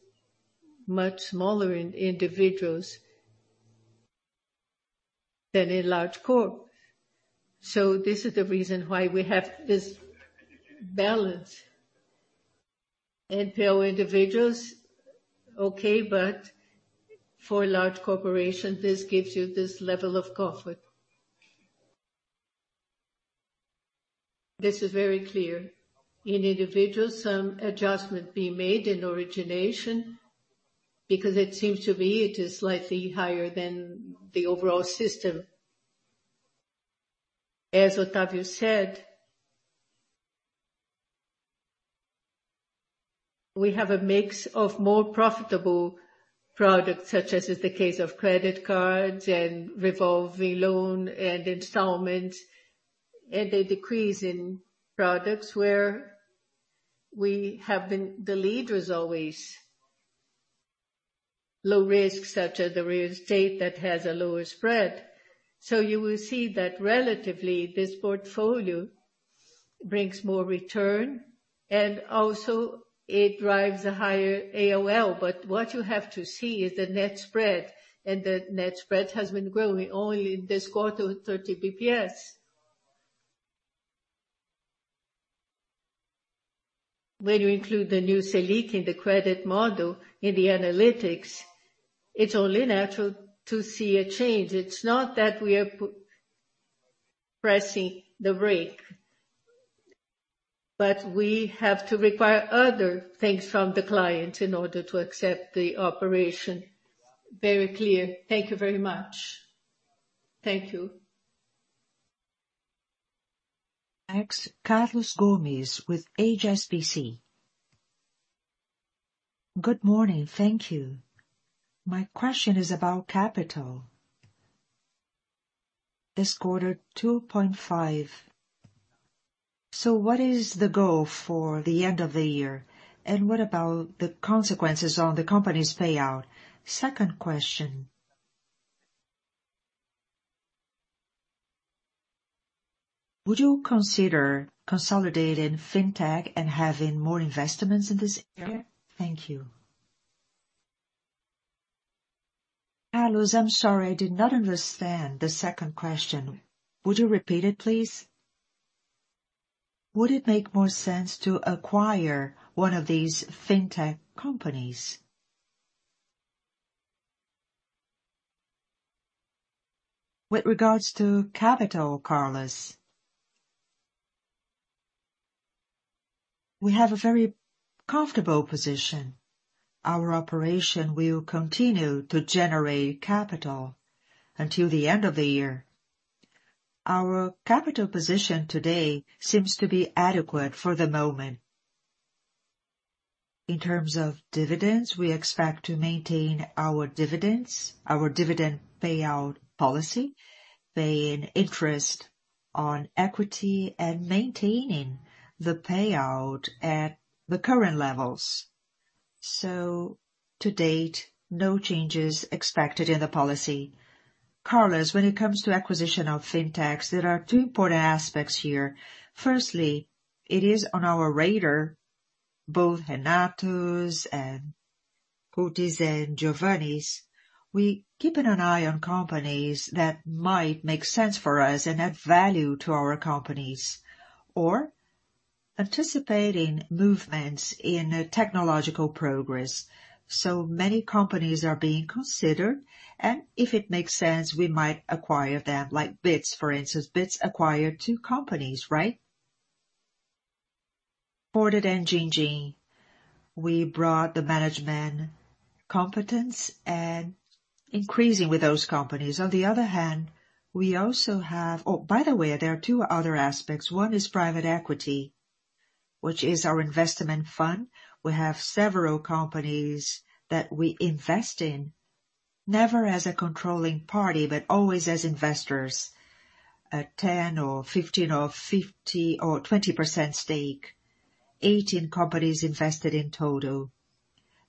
much smaller in individuals than in large corp. This is the reason why we have this balance. NPL individuals, okay, but for a large corporation, this gives you this level of comfort. This is very clear. In individuals, some adjustment being made in origination because it seems to me it is slightly higher than the overall system. As Octavio said, we have a mix of more profitable products, such as is the case of credit cards and revolving loan and installments, and a decrease in products where we have been the leaders always. Low risk, such as the real estate that has a lower spread. You will see that relatively, this portfolio brings more return, and also it drives a higher ALL. What you have to see is the net spread, and the net spread has been growing only in this quarter, 30 BPS. When you include the new SELIC in the credit model in the analytics, it's only natural to see a change. It's not that we are pressing the brake, but we have to require other things from the client in order to accept the operation. Very clear.
Thank you very much.
Thank you.
Next, Carlos Gomez-Lopez with HSBC.
Good morning. Thank you. My question is about capital. This quarter, 2.5. So what is the goal for the end of the year, and what about the consequences on the company's payout? Second question. Would you consider consolidating fintech and having more investments in this area?
Thank you. Carlos, I'm sorry, I did not understand the second question. Would you repeat it, please?
Would it make more sense to acquire one of these fintech companies?
With regards to capital, Carlos, we have a very comfortable position. Our operation will continue to generate capital until the end of the year. Our capital position today seems to be adequate for the moment. In terms of dividends, we expect to maintain our dividends, our dividend payout policy, paying interest on equity and maintaining the payout at the current levels. To date, no changes expected in the policy. Carlos, when it comes to acquisition of fintechs, there are two important aspects here. Firstly, it is on our radar, both Renato's and Curt's and Giovanni's. We're keeping an eye on companies that might make sense for us and add value to our companies or anticipating movements in technological progress. Many companies are being considered, and if it makes sense, we might acquire them like Bitz, for instance. Bitz acquired two companies, right? 4ward and DinDin. We brought the management competence and increasing with those companies. On the other hand, we also have. Oh, by the way, there are two other aspects. One is private equity, which is our investment fund. We have several companies that we invest in, never as a controlling party, but always as investors. 10 or 15 or 50 or 20% stake, 18 companies invested in total.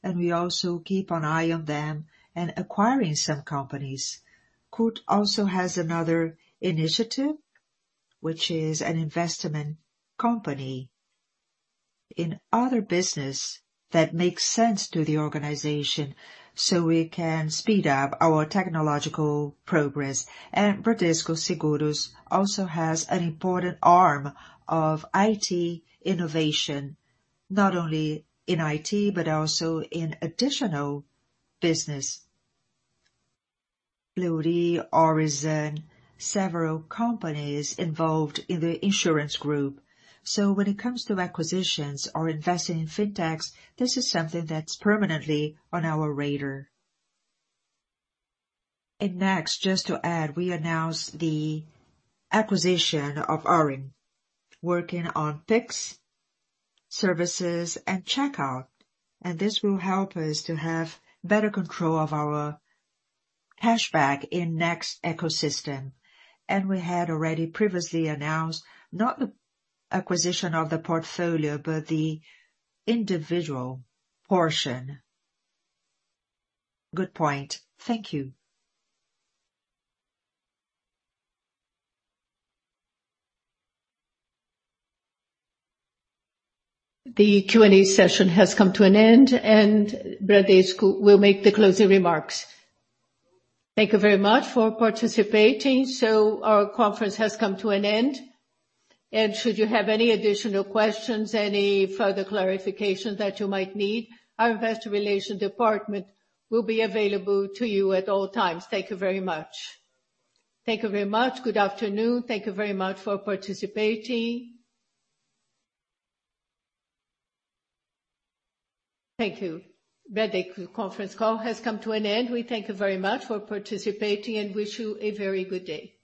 We also keep an eye on them and acquiring some companies. Kurt also has another initiative, which is an investment company in other business that makes sense to the organization, so we can speed up our technological progress. Bradesco Seguros also has an important arm of IT innovation, not only in IT, but also in additional business. Fleury, Orizon, several companies involved in the insurance group. When it comes to acquisitions or investing in fintechs, this is something that's permanently on our radar. Next, just to add, we announced the acquisition of Aarin, working on Pix services and checkout, and this will help us to have better control of our cashback in Next ecosystem. We had already previously announced not the acquisition of the portfolio, but the individual portion.
Good point. Thank you.
The Q&A session has come to an end, and Bradesco will make the closing remarks.
Thank you very much for participating. Our conference has come to an end. Should you have any additional questions, any further clarifications that you might need, our investor relations department will be available to you at all times. Thank you very much.
Thank you very much. Good afternoon. Thank you very much for participating. Thank you. Bradesco conference call has come to an end. We thank you very much for participating and wish you a very good day.